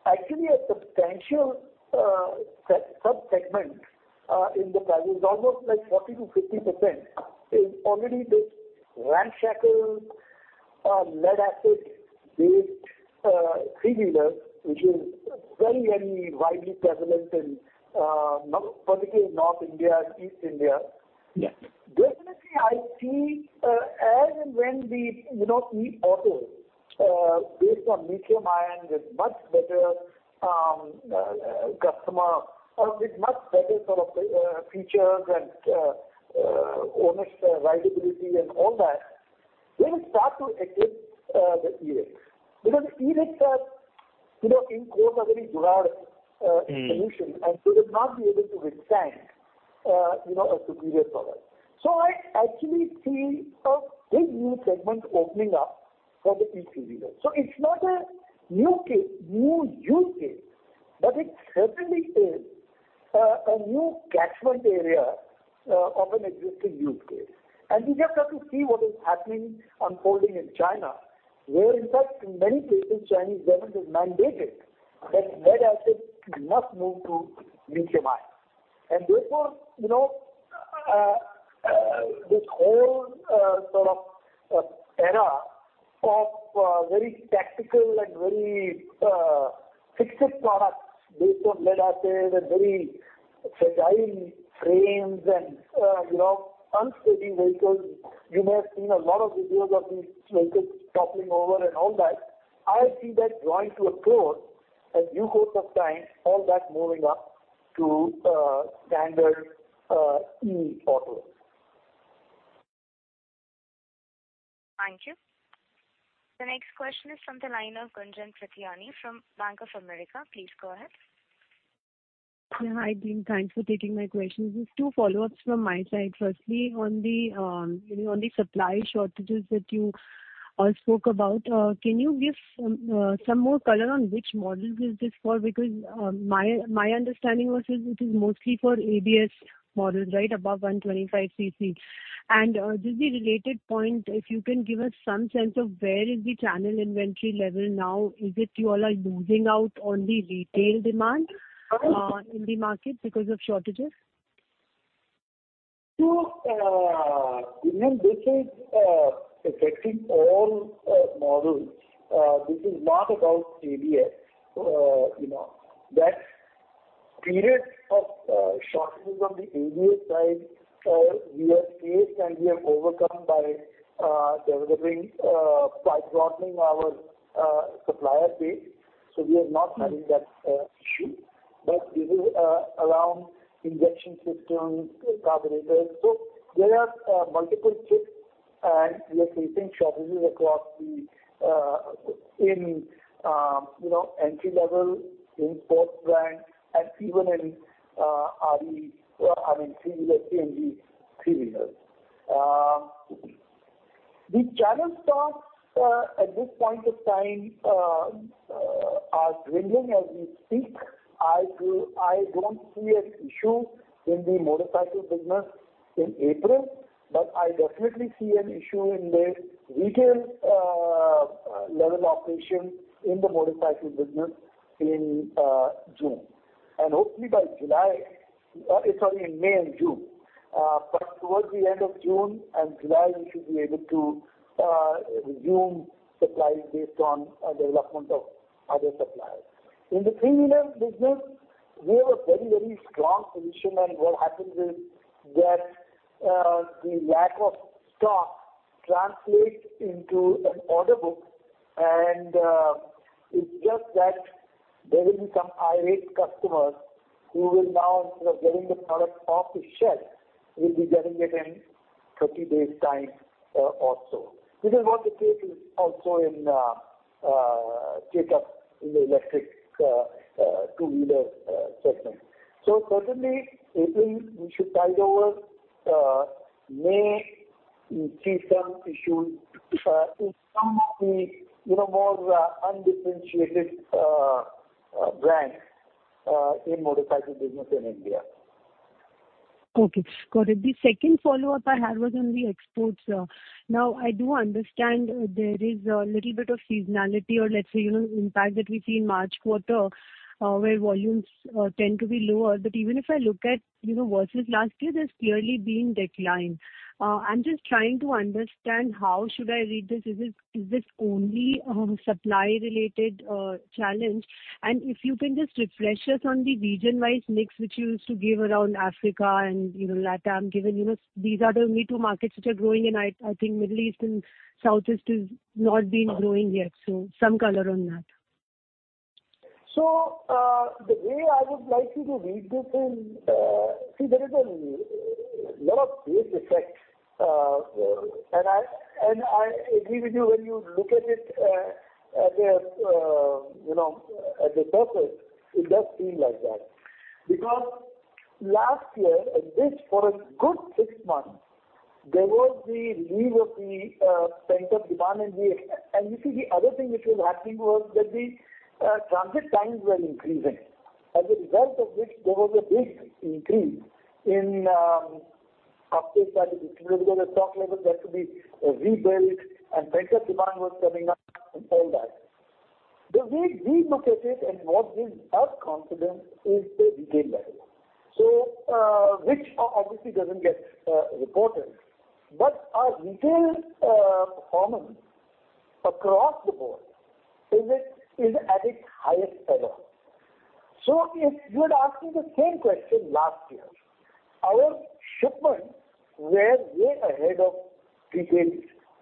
actually a substantial subsegment in the category. It's almost like 40%-50% is already this ramshackle lead-acid based three-wheeler, which is very widely prevalent in particularly North India and East India. Yes. Definitely I see, as and when the, you know, e-autos based on lithium-ion with much better sort of features and owner's rideability and all that, they will start to eclipse the e-ricks. Because e-ricks are, you know, in quotes, a very "jugaad" solution, and so they'll not be able to withstand a superior product. I actually see a big new segment opening up for the e-three-wheeler. It's not a new use case, but it certainly is a new catchment area of an existing use case. We just have to see what is happening, unfolding in China, where in fact in many cases Chinese government has mandated that lead-acid must move to lithium-ion. Therefore, you know, this whole sort of era of very tactical and very fixed products based on lead-acid and very fragile frames and, you know, unsteady vehicles, you may have seen a lot of videos of these vehicles toppling over and all that. I see that drawing to a close. A new course of time, all that moving up to standard e-autos. Thank you. The next question is from the line of Gunjan Prithyani from Bank of America. Please go ahead. Hi, [team]. Thanks for taking my questions. Just two follow-ups from my side. Firstly, on the supply shortages that you spoke about, can you give some more color on which models is this for? Because my understanding was, is it mostly for ABS models, right, above 125cc. Just a related point, if you can give us some sense of where is the channel inventory level now? Is it you all are losing out on the retail demand in the market because of shortages? You know, this is affecting all models. This is not about ABS. You know, that period of shortages on the ABS side, we have faced and we have overcome by developing by broadening our supplier base. We are not having that issue. This is around injection systems, carburetors. There are multiple chips, and we are facing shortages across the in you know entry-level in sports brand and even in RE, I mean, three-wheeler, CNG three-wheelers. The channel stocks at this point of time are dwindling as we speak. I don't see an issue in the motorcycle business in April, but I definitely see an issue in the retail level operation in the motorcycle business in June. Hopefully by July. Sorry, in May and June. Towards the end of June and July, we should be able to resume supplies based on development of other suppliers. In the three-wheeler business, we have a very strong position, and what happens is that the lack of stock translates into an order book, and it's just that there will be some irate customers who will now, instead of getting the product off the shelf, will be getting it in 30 days' time or so. This is what the case is also in Chetak, in the electric two-wheeler segment. Certainly April we should tide over. May we see some issues in some of the, you know, more undifferentiated brands in motorcycle business in India. Okay, got it. The second follow-up I had was on the exports. Now I do understand there is a little bit of seasonality or let's say, you know, impact that we see in March quarter, where volumes tend to be lower. Even if I look at, you know, versus last year, there's clearly been decline. I'm just trying to understand how should I read this. Is this only supply related challenge? And if you can just refresh us on the region-wise mix which you used to give around Africa and, you know, LATAM, given, you know, these are the only two markets which are growing and I think Middle East and Southeast has not been growing yet. Some color on that. See there is a lot of base effect. I agree with you when you look at it, you know, at the surface, it does seem like that. Because last year, at least for a good six months, there was the relief of the pent-up demand. You see the other thing which was happening was that the transit times were increasing. As a result of which there was a big increase in uptake that is visible. The stock levels had to be rebuilt and pent-up demand was coming up and all that. The way we look at it and what gives us confidence is the retail level. Which obviously doesn't get reported. Our retail performance across the board is at its highest ever. If you had asked me the same question last year, our shipments were way ahead of retail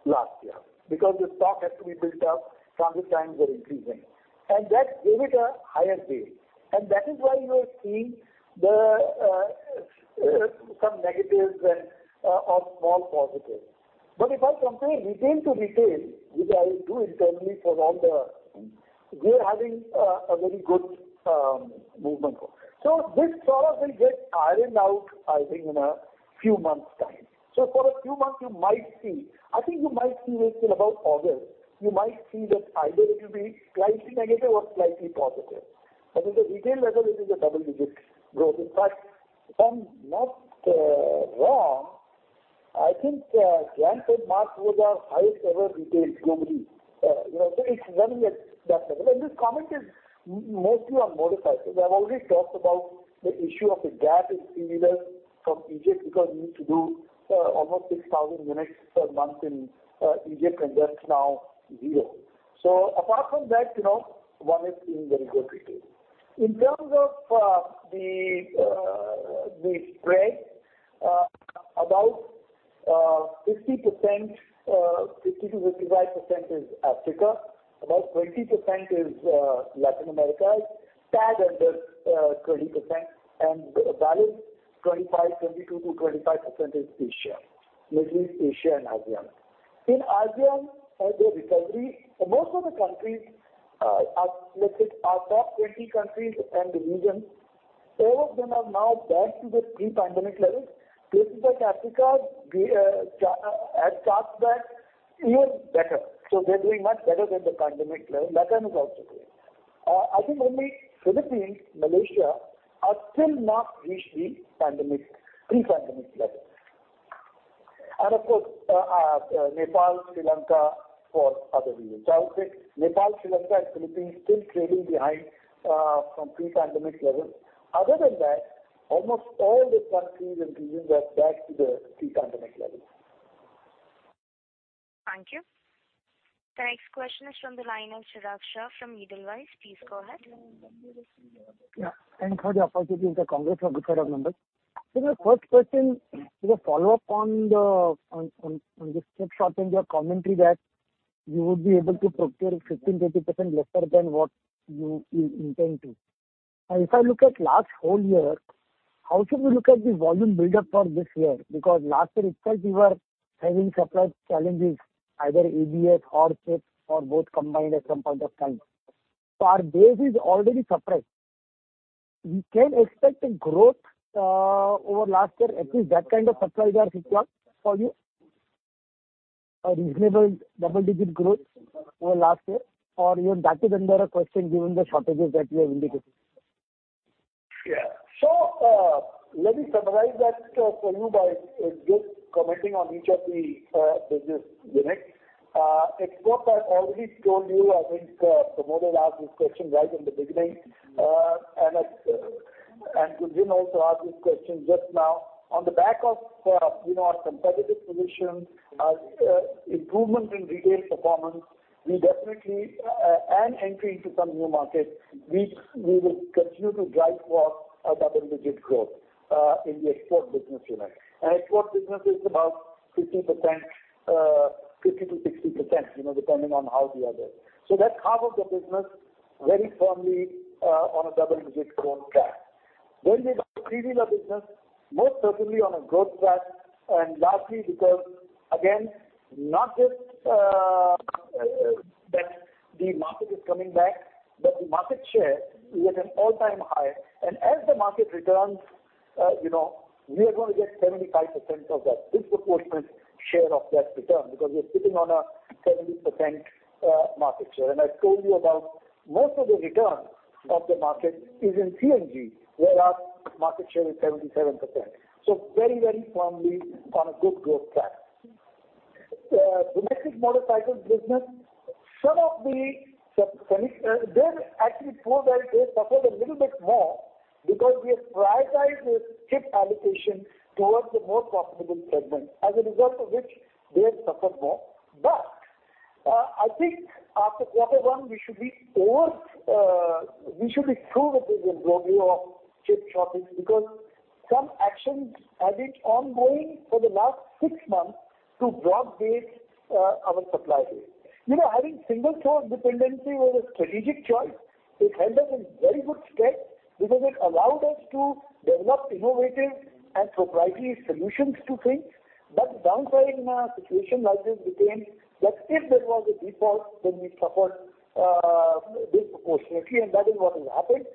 last year because the stock has to be built up, transit times were increasing, and that gave it a higher base. That is why you are seeing some negatives and or small positives. If I compare retail to retail, which I do internally. We're having a very good movement. This problem will get ironed out, I think, in a few months' time. For a few months you might see, I think you might see this till about August. You might see that either it'll be slightly negative or slightly positive, but at the retail level it is a double-digit growth. In fact, if I'm not wrong, I think January and March was our highest ever retail globally. You know, it's running at that level. This comment is mostly on motorcycles. I've already talked about the issue of a gap in three-wheelers from Egypt, because we need to do almost 6,000 units per month in Egypt, and that's now zero. Apart from that, you know, one is seeing very good retail. In terms of the spread, about 50%-55% is Africa, about 20% is Latin America, tad under 20%, and the balance 22%-25% is Asia. Middle East, Asia and ASEAN. In ASEAN, the recovery, most of the countries are, let's say our top 20 countries and regions, all of them are now back to their pre-pandemic levels. Places like Africa have bounced back even better. They're doing much better than the pandemic level. LATAM is also doing. I think only Philippines, Malaysia are still not reached the pre-pandemic levels. Of course, Nepal, Sri Lanka for other reasons. I would say Nepal, Sri Lanka and Philippines still trailing behind from pre-pandemic levels. Other than that, almost all the countries and regions are back to their pre-pandemic levels. Thank you. The next question is from the line of Chirag Shah from Edelweiss. Please go ahead. Yeah, thanks for the opportunity. It's a good cross-section of members. My first question is a follow-up on the trade short and your commentary that you would be able to procure 15%-80% lesser than what you intend to. If I look at last full year, how should we look at the volume buildup for this year? Because last year itself you were having supply challenges, either ABS, hot chips or both combined at some point of time. Our base is already suppressed. We can expect a growth over last year, at least that kind of surprise or six months for you? A reasonable double-digit growth over last year, or even that is in question given the shortages that you have indicated. Yeah. Let me summarize that for you by just commenting on each of the business units. Export, I've already told you, I think, Pramod asked this question right in the beginning. Gunjan also asked this question just now. On the back of you know, our competitive position, improvement in retail performance, we definitely and entry into some new markets, we will continue to drive for a double-digit growth in the export business unit. Export business is about 50%, 50%-60%, you know, depending on how the others. That's half of the business very firmly on a double-digit growth track. We have three-wheeler business, most certainly on a growth track. Lastly, because again, not just that the market is coming back, but the market share is at an all-time high. As the market returns, you know, we are going to get 75% of that disproportionate share of that return because we are sitting on a 70% market share. I told you about most of the return of the market is in CNG, where our market share is 77%. Very, very firmly on a good growth track. Domestic motorcycle business, some of the sub-100cc, they've actually proved that they suffered a little bit more because we have prioritized the chip allocation towards the more profitable segment, as a result of which they have suffered more. I think after quarter one, we should be through with this embarrassment of chip shortage because some actions have been ongoing for the last six months to broad-base our supply chain. You know, having single source dependency was a strategic choice. It helped us in very good stead because it allowed us to develop innovative and proprietary solutions to things. Downside in a situation like this became that if there was a default, then we suffered disproportionately, and that is what has happened.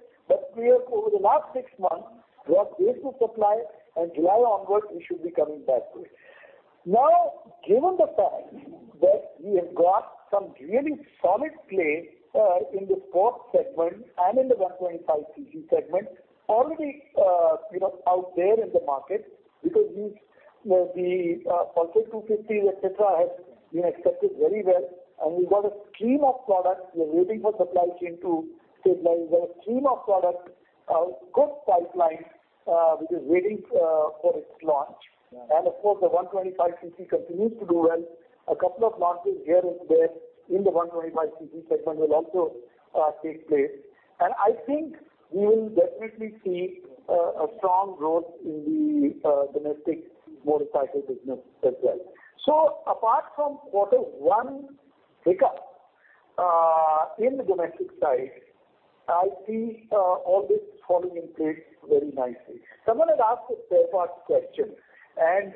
We have, over the last six months, broad-based supply, and July onwards we should be coming back to it. Now, given the fact that we have got some really solid plays in the sports segment and in the 125cc segment already, you know, out there in the market, because these, you know, the Pulsar 250s, et cetera, has been accepted very well. We've got a stream of products. We are waiting for supply chain to stabilize. There are stream of products, good pipeline, which is waiting for its launch. Yeah. Of course, the 125cc continues to do well. A couple of launches here and there in the 125cc segment will also take place. I think we will definitely see a strong growth in the domestic motorcycle business as well. Apart from quarter one hiccup in the domestic side, I see all this falling in place very nicely. Someone had asked a spare parts question, and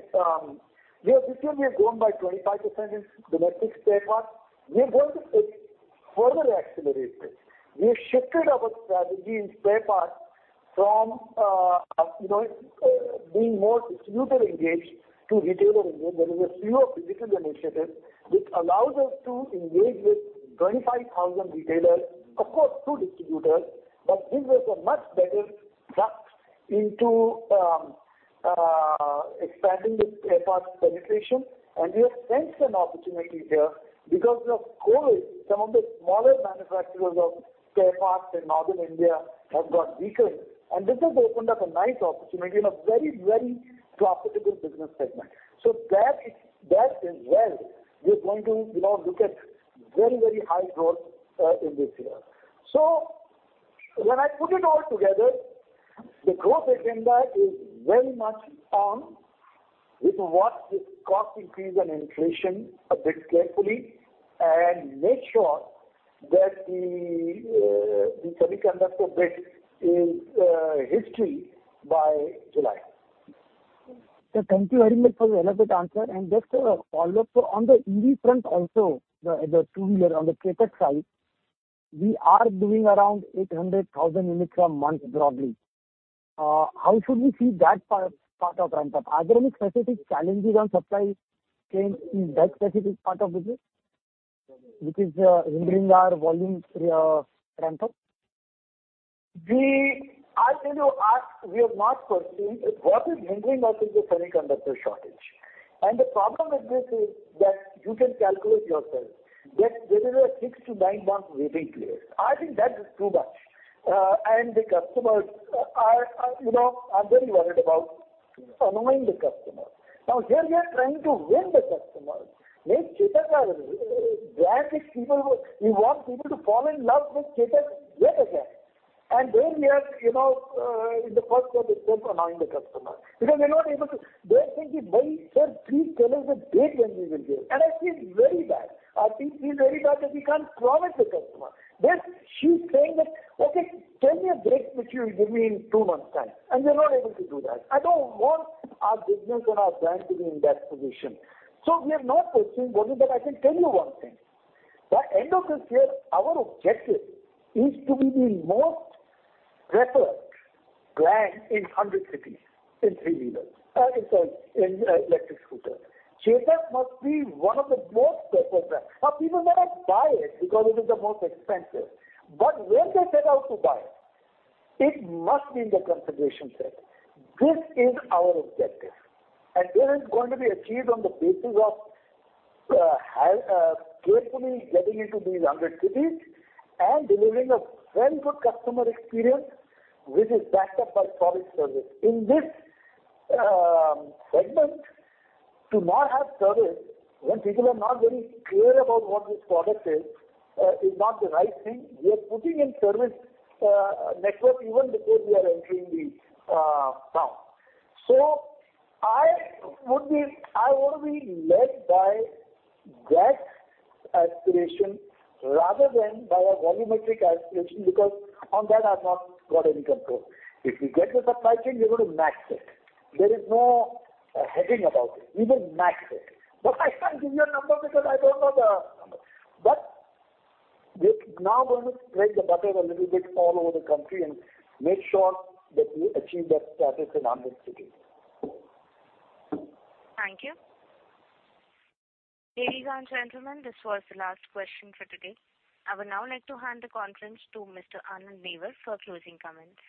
this year we have grown by 25% in domestic spare parts. We are going to further accelerate it. We have shifted our strategy in spare parts from you know, being more distributor engaged to retailer engaged. There is a slew of digital initiatives which allows us to engage with 25,000 retailers, of course, through distributors. This was a much better route into expanding the spare parts penetration. We have sensed an opportunity here because of COVID some of the smaller manufacturers of spare parts in Northern India have got weaker, and this has opened up a nice opportunity in a very, very profitable business segment. That is where we're going to, you know, look at very, very high growth in this year. When I put it all together, the growth agenda is very much on. We can watch the cost increase and inflation a bit carefully and make sure that the semiconductor bit is history by July. Sir, thank you very much for the elaborate answer. Just a follow-up. On the EV front also, the two-wheeler on the Chetak side, we are doing around 800,000 units a month broadly. How should we see that part of ramp up? Are there any specific challenges on supply chain in that specific part of business, which is hindering our volume ramp up? I tell you, we have not foreseen. What is hindering us is the semiconductor shortage. The problem with this is that you can calculate yourself that there is a six to ninemonths waiting period. I think that is too much. The customers are very worried about annoying the customer. Now, here we are trying to win the customer. Make Chetak a brand. We want people to fall in love with Chetak yet again. There we are in the first quarter just annoying the customer because we're not able to. They're saying, "Bhai sir, please tell us the date when we will get it." I feel very bad. Our team feels very bad that we can't promise the customer. She's saying that, "Okay, tell me a date which you will give me in two months time." We're not able to do that. I don't want our business and our brand to be in that position. We are not pursuing volume. I can tell you one thing. By end of this year, our objective is to be the most preferred brand in 100 cities in three-wheelers, in electric scooter. Chetak must be one of the most preferred brand. Now, people may not buy it because it is the most expensive, but when they set out to buy, it must be in the consideration set. This is our objective, and this is going to be achieved on the basis of having carefully getting into these 100 cities and delivering a very good customer experience which is backed up by solid service. In this segment, to not have service when people are not very clear about what this product is not the right thing. We are putting in service network even before we are entering the town. I want to be led by that aspiration rather than by a volumetric aspiration, because on that I've not got any control. If we get the supply chain, we're going to max it. There is no hedging about it. We will max it. But I can't give you a number because I don't know the number. But we're now going to spread the butter a little bit all over the country and make sure that we achieve that status in 100 cities. Thank you. Ladies and gentlemen, this was the last question for today. I would now like to hand the conference to Mr. Anand Newar for closing comments.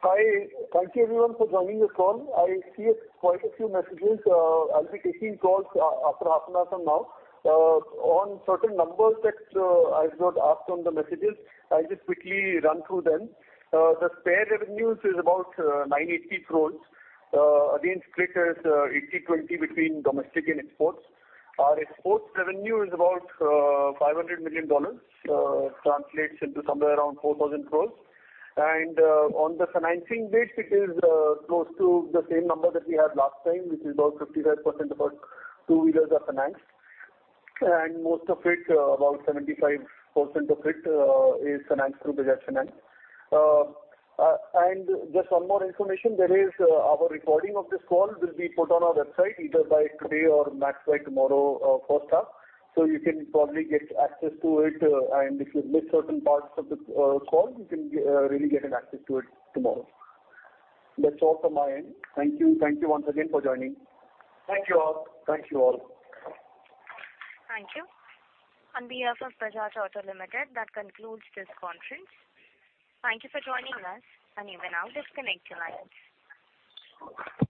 Hi. Thank you everyone for joining this call. I see quite a few messages. I'll be taking calls after half an hour from now. On certain numbers that I've got asked on the messages, I'll just quickly run through them. The spare revenues is about 980 crore, again split as 80/20 between domestic and exports. Our export revenue is about $500 million, translates into somewhere around 4,000 crore. On the financing bit, it is close to the same number that we had last time, which is about 55% of our two-wheelers are financed. Most of it, about 75% of it, is financed through Bajaj Finance. Just one more information, there is our recording of this call will be put on our website either by today or max by tomorrow, first half. So you can probably get access to it, and if you miss certain parts of the call, you can really get an access to it tomorrow. That's all from my end. Thank you. Thank you once again for joining. Thank you all. Thank you all. Thank you. On behalf of Bajaj Auto Limited, that concludes this conference. Thank you for joining us, and you may now disconnect your lines.